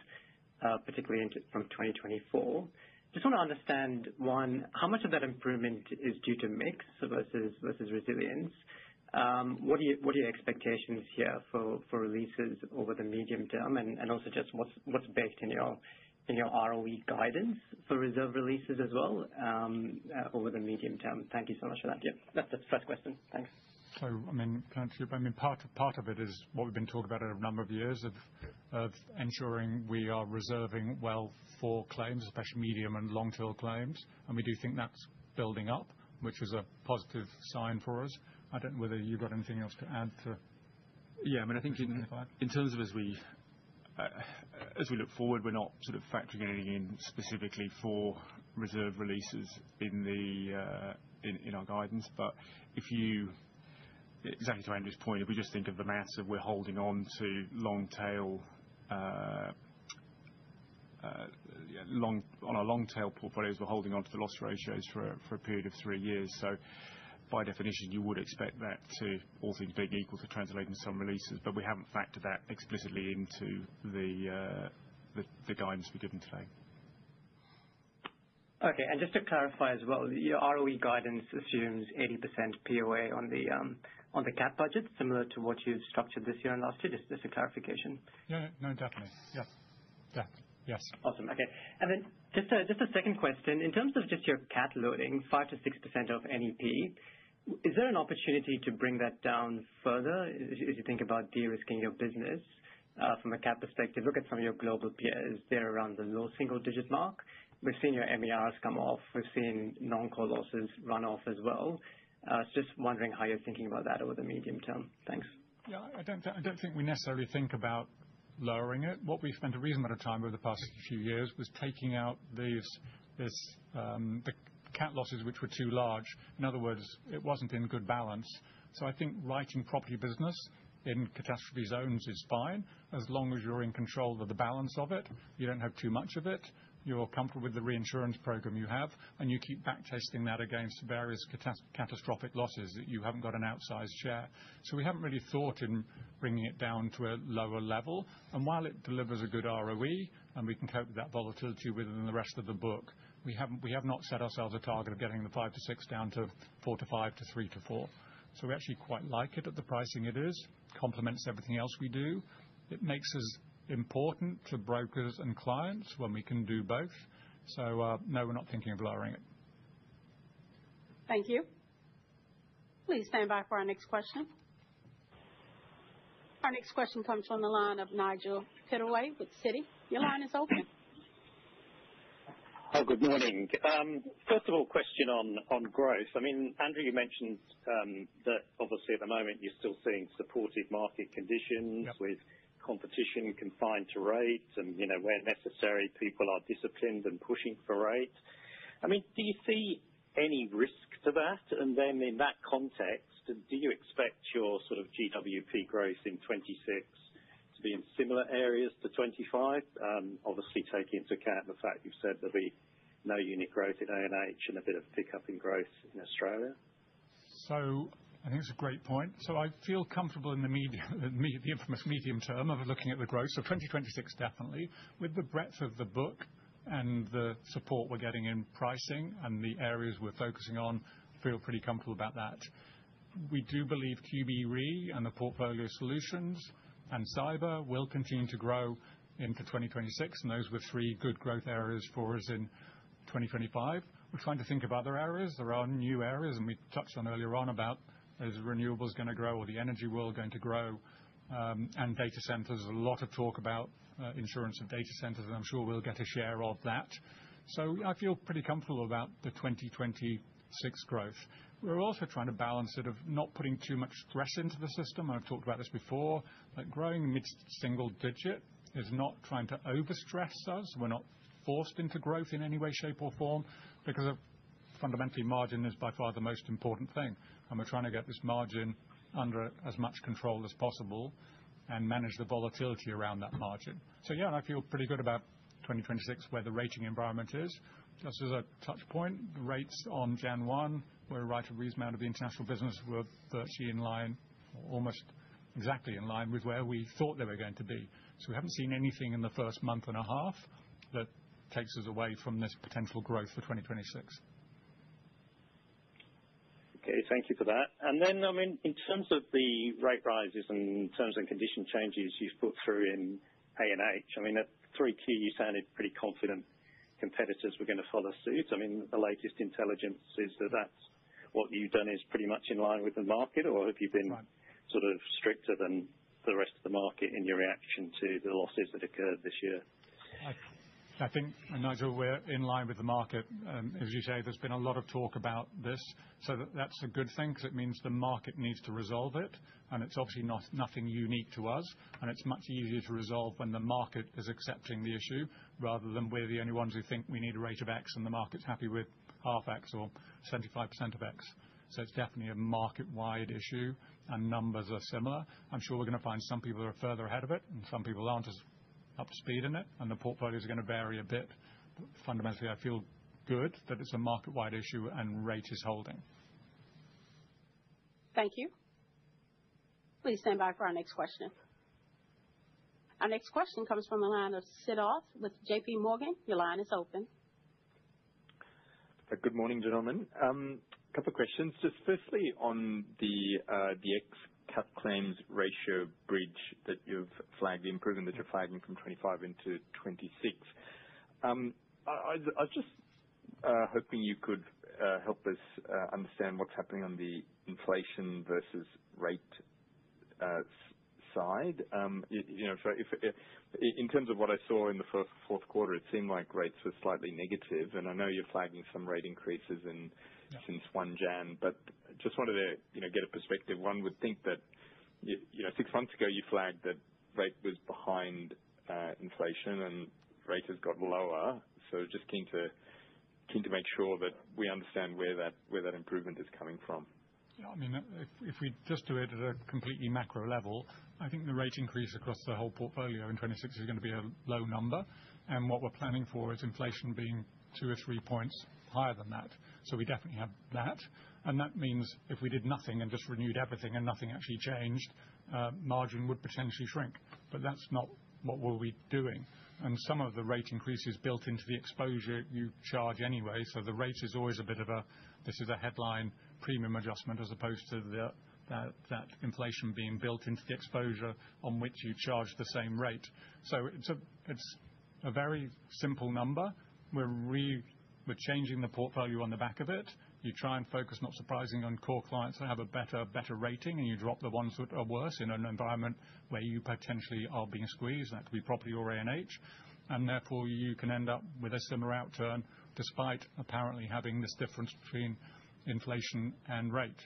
particularly into from 2024. Just want to understand, one, how much of that improvement is due to mix versus, versus resilience? What are your, what are your expectations here for, for releases over the medium term? And, and also just what's, what's baked in your, in your ROE guidance for reserve releases as well, over the medium term? Thank you so much for that. Yeah, that's the first question. Thanks. So I mean, part of it is what we've been talking about over a number of years of ensuring we are reserving well for claims, especially medium and long-term claims. And we do think that's building up, which is a positive sign for us. I don't know whether you've got anything else to add to- Yeah, I mean, I think -clarify. In terms of as we, as we look forward, we're not sort of factoring anything in specifically for reserve releases in the, in our guidance. But if you... Exactly to Andrew's point, if we just think of the maths that we're holding on to long tail on our long tail portfolios, we're holding onto the loss ratios for a period of three years. So by definition, you would expect that to, all things being equal, to translate into some releases. But we haven't factored that explicitly into the guidance we've given today. Okay. And just to clarify as well, your ROE guidance assumes 80% POA on the, on the cat budget, similar to what you've structured this year and last year? Just, just a clarification. Yeah. No, definitely. Yeah. Yeah. Yes. Awesome. Okay. And then just a second question. In terms of just your cat loading 5%-6% of NEP, is there an opportunity to bring that down further as you think about de-risking your business from a cat perspective? Look at some of your global peers. They're around the low single-digit mark. We've seen your MERs come off. We've seen non-core losses run off as well. Just wondering how you're thinking about that over the medium term. Thanks.... Yeah, I don't, I don't think we necessarily think about lowering it. What we spent a reasonable amount of time over the past few years was taking out these, this, the cat losses, which were too large. In other words, it wasn't in good balance. So I think writing property business in catastrophe zones is fine, as long as you're in control of the balance of it. You don't have too much of it. You're comfortable with the reinsurance program you have, and you keep back testing that against various catastrophic losses, that you haven't got an outsized share. So we haven't really thought in bringing it down to a lower level. And while it delivers a good ROE, and we can cope with that volatility within the rest of the book, we haven't, we have not set ourselves a target of getting the 5-6 down to 4-5 to 3-4. So we actually quite like it at the pricing it is. Complements everything else we do. It makes us important to brokers and clients when we can do both. So, no, we're not thinking of lowering it. Thank you. Please stand by for our next question. Our next question comes from the line of Nigel Pittaway with Citi. Your line is open. Hi, good morning. First of all, question on growth. I mean, Andrew, you mentioned that obviously at the moment you're still seeing supportive market conditions- Yep. -with competition confined to rates, and, you know, where necessary, people are disciplined and pushing for rates. I mean, do you see any risk to that? And then in that context, do you expect your sort of GWP growth in 26 to be in similar areas to 25, obviously taking into account the fact you've said there'll be no unit growth in A&H and a bit of pickup in growth in Australia? So I think it's a great point. So I feel comfortable in the medium, the infamous medium term of looking at the growth. So 2026, definitely. With the breadth of the book and the support we're getting in pricing and the areas we're focusing on, feel pretty comfortable about that. We do believe QBE Re and the Portfolio Solutions and cyber will continue to grow into 2026, and those were three good growth areas for us in 2025. We're trying to think of other areas. There are new areas, and we touched on them earlier on about, is renewables going to grow or the energy world going to grow? And data centers, a lot of talk about, insurance and data centers, and I'm sure we'll get a share of that. So I feel pretty comfortable about the 2026 growth. We're also trying to balance it of not putting too much stress into the system. I've talked about this before, but growing mid-single digit is not trying to overstress us. We're not forced into growth in any way, shape, or form because of fundamentally, margin is by far the most important thing, and we're trying to get this margin under as much control as possible and manage the volatility around that margin. So yeah, I feel pretty good about 2026, where the rating environment is. Just as a touch point, rates on January 1 were right around the amount of the International business were virtually in line, almost exactly in line with where we thought they were going to be. So we haven't seen anything in the first month and a half that takes us away from this potential growth for 2026. Okay, thank you for that. Then, I mean, in terms of the rate rises and terms and condition changes you've put through in A&H, I mean, in 3Q, you sounded pretty confident competitors were going to follow suit. I mean, the latest intelligence is that that's what you've done is pretty much in line with the market, or have you been- Right sort of stricter than the rest of the market in your reaction to the losses that occurred this year? I think, Nigel, we're in line with the market. As you say, there's been a lot of talk about this, so that's a good thing, because it means the market needs to resolve it, and it's obviously not, nothing unique to us, and it's much easier to resolve when the market is accepting the issue, rather than we're the only ones who think we need a rate of X, and the market's happy with half X or 75% of X. So it's definitely a market-wide issue, and numbers are similar. I'm sure we're going to find some people are further ahead of it, and some people aren't as up to speed in it, and the portfolios are going to vary a bit. Fundamentally, I feel good that it's a market-wide issue, and rate is holding. Thank you. Please stand by for our next question. Our next question comes from the line of Siddharth with JPMorgan. Your line is open. Good morning, gentlemen. A couple of questions. Just firstly, on the ex-cat claims ratio bridge that you've flagged, the improvement that you're flagging from 2025 into 2026. I was just hoping you could help us understand what's happening on the inflation versus rate side. You know, if in terms of what I saw in the fourth quarter, it seemed like rates were slightly negative, and I know you're flagging some rate increases in- Yeah -since 1 January, but just wanted to, you know, get a perspective. One would think that, you know, six months ago you flagged that rate was behind inflation and rates has got lower. So just keen to, keen to make sure that we understand where that, where that improvement is coming from. Yeah, I mean, if we just do it at a completely macro level, I think the rate increase across the whole portfolio in 2026 is going to be a low number, and what we're planning for is inflation being 2 or 3 points higher than that. So we definitely have that. And that means if we did nothing and just renewed everything and nothing actually changed, margin would potentially shrink. But that's not what we'll be doing. And some of the rate increases built into the exposure you charge anyway, so the rate is always a bit of a, "This is a headline premium adjustment," as opposed to that inflation being built into the exposure on which you charge the same rate. So it's a very simple number. We're changing the portfolio on the back of it. You try and focus, not surprisingly, on core clients that have a better, better rating, and you drop the ones that are worse in an environment where you potentially are being squeezed, and that could be property or A&H, and therefore you can end up with a similar outturn, despite apparently having this difference between inflation and rate.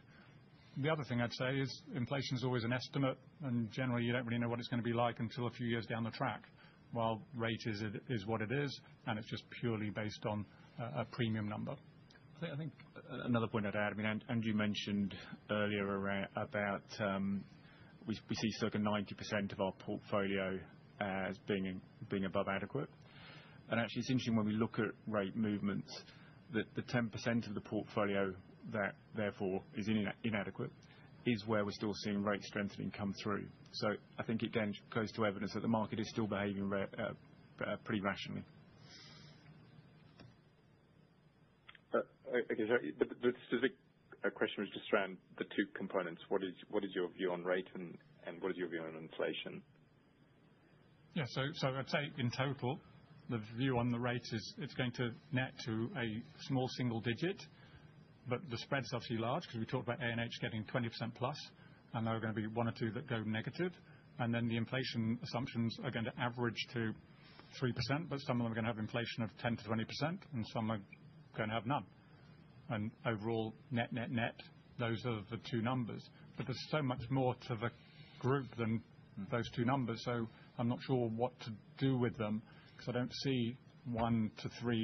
The other thing I'd say is inflation is always an estimate, and generally, you don't really know what it's going to be like until a few years down the track. While rate is, is what it is, and it's just purely based on a premium number. I think, I think another point I'd add, I mean, Andrew, you mentioned earlier around about, we see circa 90% of our portfolio as being above adequate. And actually, it's interesting when we look at rate movements, that the 10% of the portfolio that therefore is inadequate, is where we're still seeing rate strengthening come through. So I think it then goes to evidence that the market is still behaving pretty rationally. Okay, sorry. The specific question was just around the two components. What is your view on rate, and what is your view on inflation? Yeah, so, so I'd say in total, the view on the rate is it's going to net to a small single digit, but the spread is obviously large because we talked about A&H getting 20%+, and there are going to be 1 or 2 that go negative, and then the inflation assumptions are going to average to 3%, but some of them are going to have inflation of 10%-20%, and some are going to have none. And overall, net, net, net, those are the two numbers. But there's so much more to the group than those two numbers, so I'm not sure what to do with them, because I don't see 1-3,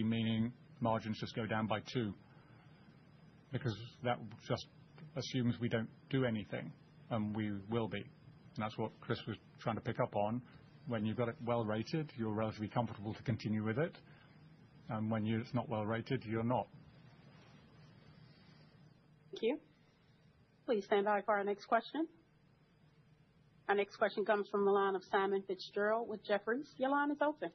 meaning margins just go down by 2, because that just assumes we don't do anything, and we will be. And that's what Chris was trying to pick up on. When you've got it well rated, you're relatively comfortable to continue with it, and when it's not well rated, you're not. Thank you. Please stand by for our next question. Our next question comes from the line of Simon Fitzgerald with Jefferies. Your line is open.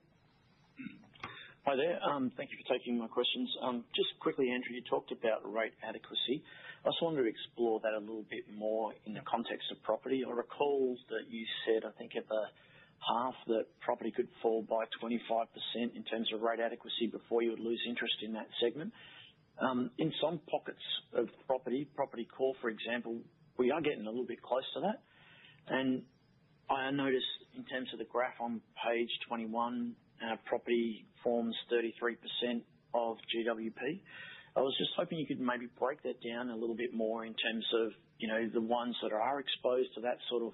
Hi there. Thank you for taking my questions. Just quickly, Andrew, you talked about rate adequacy. I just wanted to explore that a little bit more in the context of property. I recall that you said, I think at the half, that property could fall by 25% in terms of rate adequacy before you would lose interest in that segment. In some pockets of property, property core, for example, we are getting a little bit close to that. And I noticed in terms of the graph on page 21, property forms 33% of GWP. I was just hoping you could maybe break that down a little bit more in terms of, you know, the ones that are exposed to that sort of,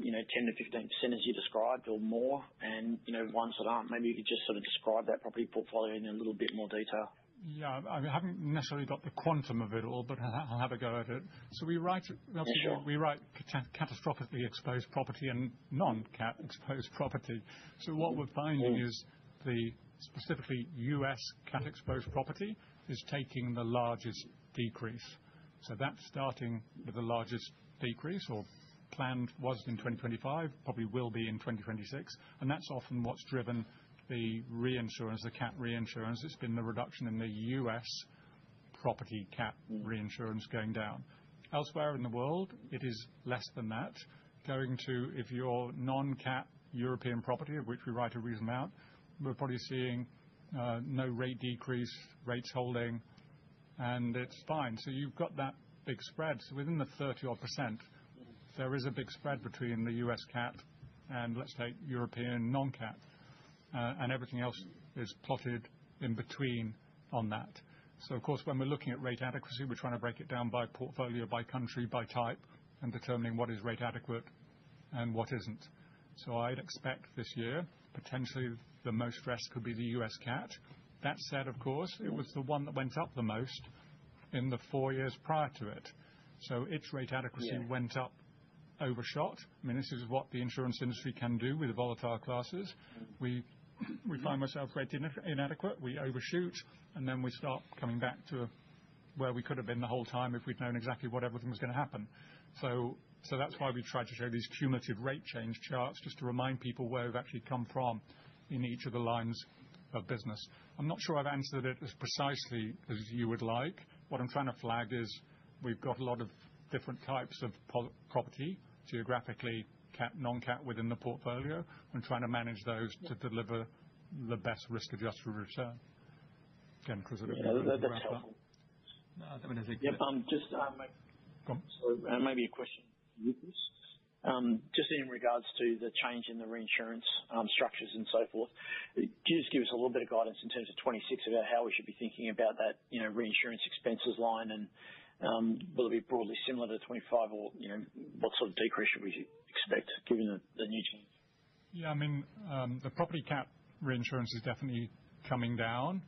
you know, 10%-15% as you described, or more, and, you know, ones that aren't. Maybe you could just sort of describe that property portfolio in a little bit more detail. Yeah. I, I haven't necessarily got the quantum of it all, but I'll, I'll have a go at it. So we write- Yeah. We write catastrophically exposed property and non-cat exposed property. So what we're finding is the specifically U.S. cat exposed property is taking the largest decrease. So that's starting with the largest decrease, or planned was in 2025, probably will be in 2026, and that's often what's driven the reinsurance, the cat reinsurance. It's been the reduction in the U.S. property cat reinsurance going down. Elsewhere in the world, it is less than that. Going to, if you're non-cat European property, of which we write a reasonable amount, we're probably seeing no rate decrease, rates holding, and it's fine. So you've got that big spread. So within the 30-odd%, there is a big spread between the U.S. cat and, let's say, European non-cat, and everything else is plotted in between on that. So of course, when we're looking at rate adequacy, we're trying to break it down by portfolio, by country, by type, and determining what is rate adequate and what isn't. So I'd expect this year, potentially the most fresh could be the U.S. cat. That said, of course, it was the one that went up the most in the four years prior to it. So its rate adequacy- Yeah... went up, overshot. I mean, this is what the insurance industry can do with the volatile classes. We find ourselves rate inadequate, we overshoot, and then we start coming back to where we could have been the whole time if we'd known exactly what everything was going to happen. So that's why we tried to show these cumulative rate change charts, just to remind people where we've actually come from in each of the lines of business. I'm not sure I've answered it as precisely as you would like. What I'm trying to flag is we've got a lot of different types of property, geographically cat, non-cat, within the portfolio, and trying to manage those to deliver the best risk-adjusted return. Again, Chris... Yeah, that's helpful. I mean, is it- Yep, just maybe a question. Just in regards to the change in the reinsurance structures and so forth, can you just give us a little bit of guidance in terms of 2026, about how we should be thinking about that, you know, reinsurance expenses line? And, will it be broadly similar to 2025, or, you know, what sort of decrease should we expect given the, the new change? Yeah, I mean, the property cat reinsurance is definitely coming down,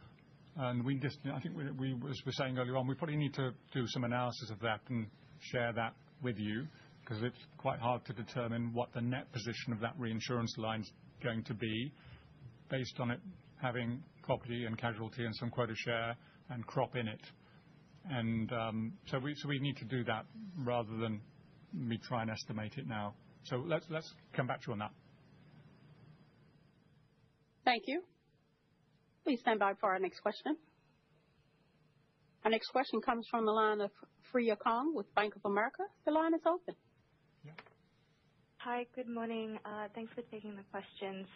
and we just... I think, we, as we were saying earlier on, we probably need to do some analysis of that and share that with you, because it's quite hard to determine what the net position of that reinsurance line is going to be based on it having property and casualty and some quota share and crop in it. And, so we, so we need to do that rather than me try and estimate it now. So let's, let's come back to you on that. Thank you. Please stand by for our next question. Our next question comes from the line of Freya Kong with Bank of America. The line is open. Hi, good morning. Thanks for taking the questions.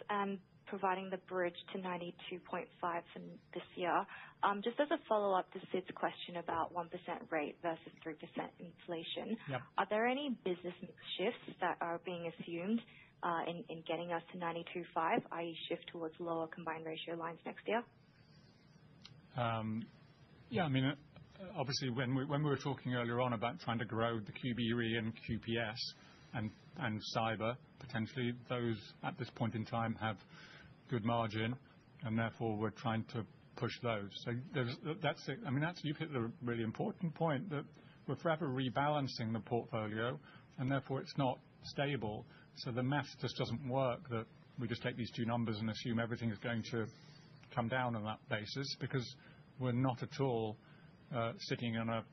Providing the bridge to 92.5 for this year. Just as a follow-up to Sid's question about 1% rate versus 3% inflation- Yeah. Are there any business shifts that are being assumed in getting us to 92.5%, i.e., shift towards lower combined ratio lines next year?... Yeah, I mean, obviously, when we were talking earlier on about trying to grow the QBE and QPS and cyber, potentially those at this point in time have good margin, and therefore we're trying to push those. So, that's it. I mean, that you've hit the really important point, that we're forever rebalancing the portfolio, and therefore it's not stable. So the math just doesn't work, that we just take these two numbers and assume everything is going to come down on that basis, because we're not at all sitting in a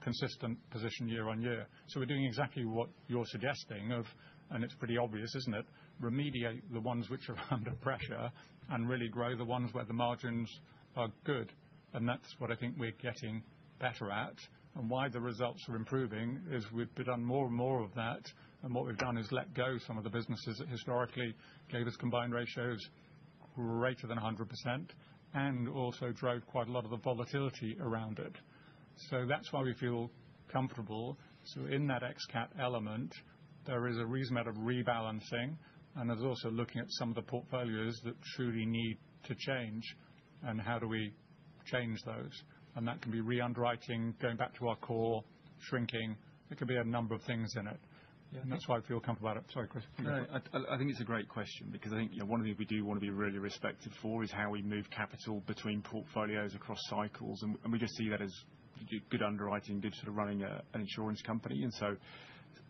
consistent position year on year. So we're doing exactly what you're suggesting of, and it's pretty obvious, isn't it? Remediate the ones which are under pressure and really grow the ones where the margins are good, and that's what I think we're getting better at. Why the results are improving is we've done more and more of that, and what we've done is let go of some of the businesses that historically gave us combined ratios greater than 100% and also drove quite a lot of the volatility around it. So that's why we feel comfortable. So in that ex-cat element, there is a reasonable amount of rebalancing, and there's also looking at some of the portfolios that truly need to change, and how do we change those? And that can be re-underwriting, going back to our core, shrinking. There could be a number of things in it. Yeah. That's why I feel comfortable about it. Sorry, Chris. No, I think it's a great question because I think, you know, one of the things we do want to be really respected for is how we move capital between portfolios across cycles, and we just see that as good underwriting, good sort of running an insurance company. And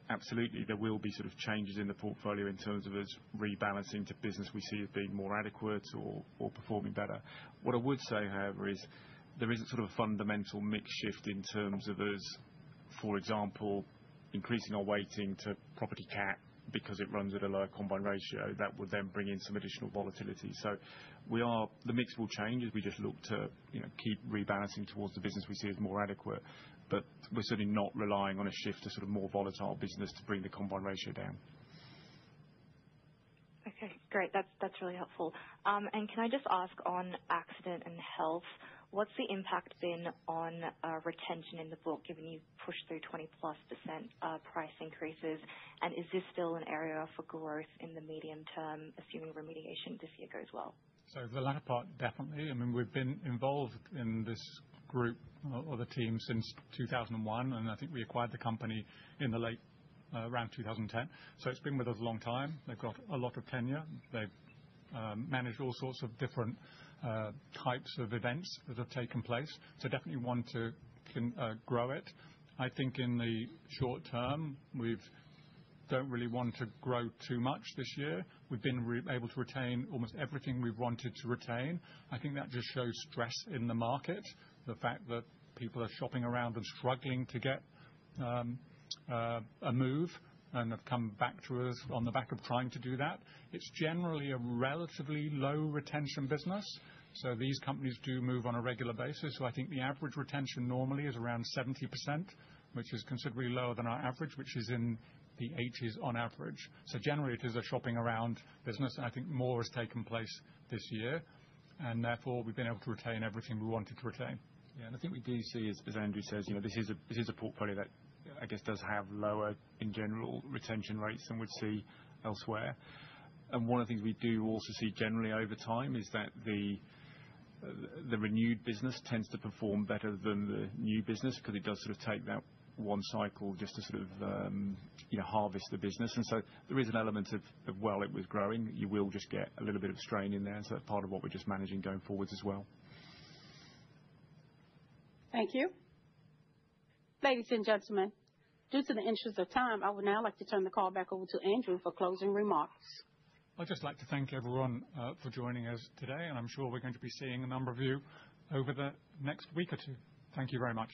so absolutely, there will be sort of changes in the portfolio in terms of us rebalancing to business we see as being more adequate or performing better. What I would say, however, is there isn't sort of a fundamental mix shift in terms of us, for example, increasing our weighting to property cat because it runs at a lower combined ratio. That would then bring in some additional volatility. So we are... The mix will change as we just look to, you know, keep rebalancing towards the business we see as more adequate. But we're certainly not relying on a shift to sort of more volatile business to bring the combined ratio down. Okay, great. That's, that's really helpful. And can I just ask on Accident & Health, what's the impact been on retention in the book, given you've pushed through 20%+ price increases? And is this still an area for growth in the medium term, assuming remediation this year goes well? So the latter part, definitely. I mean, we've been involved in this group or the team since 2001, and I think we acquired the company in the late, around 2010. So it's been with us a long time. They've got a lot of tenure. They've managed all sorts of different types of events that have taken place. So definitely want to grow it. I think in the short term, we don't really want to grow too much this year. We've been able to retain almost everything we've wanted to retain. I think that just shows stress in the market, the fact that people are shopping around and struggling to get a move, and have come back to us on the back of trying to do that. It's generally a relatively low retention business, so these companies do move on a regular basis. So I think the average retention normally is around 70%, which is considerably lower than our average, which is in the 80s on average. So generally, it is a shopping around business, and I think more has taken place this year, and therefore we've been able to retain everything we wanted to retain. Yeah, and I think we do see, as Andrew says, you know, this is a portfolio that I guess does have lower, in general, retention rates than we'd see elsewhere. And one of the things we do also see generally over time is that the renewed business tends to perform better than the new business, because it does sort of take that one cycle just to sort of, you know, harvest the business. And so there is an element of, well, it was growing. You will just get a little bit of strain in there. So part of what we're just managing going forwards as well. Thank you. Ladies and gentlemen, in the interest of time, I would now like to turn the call back over to Andrew for closing remarks. I'd just like to thank everyone for joining us today, and I'm sure we're going to be seeing a number of you over the next week or two. Thank you very much.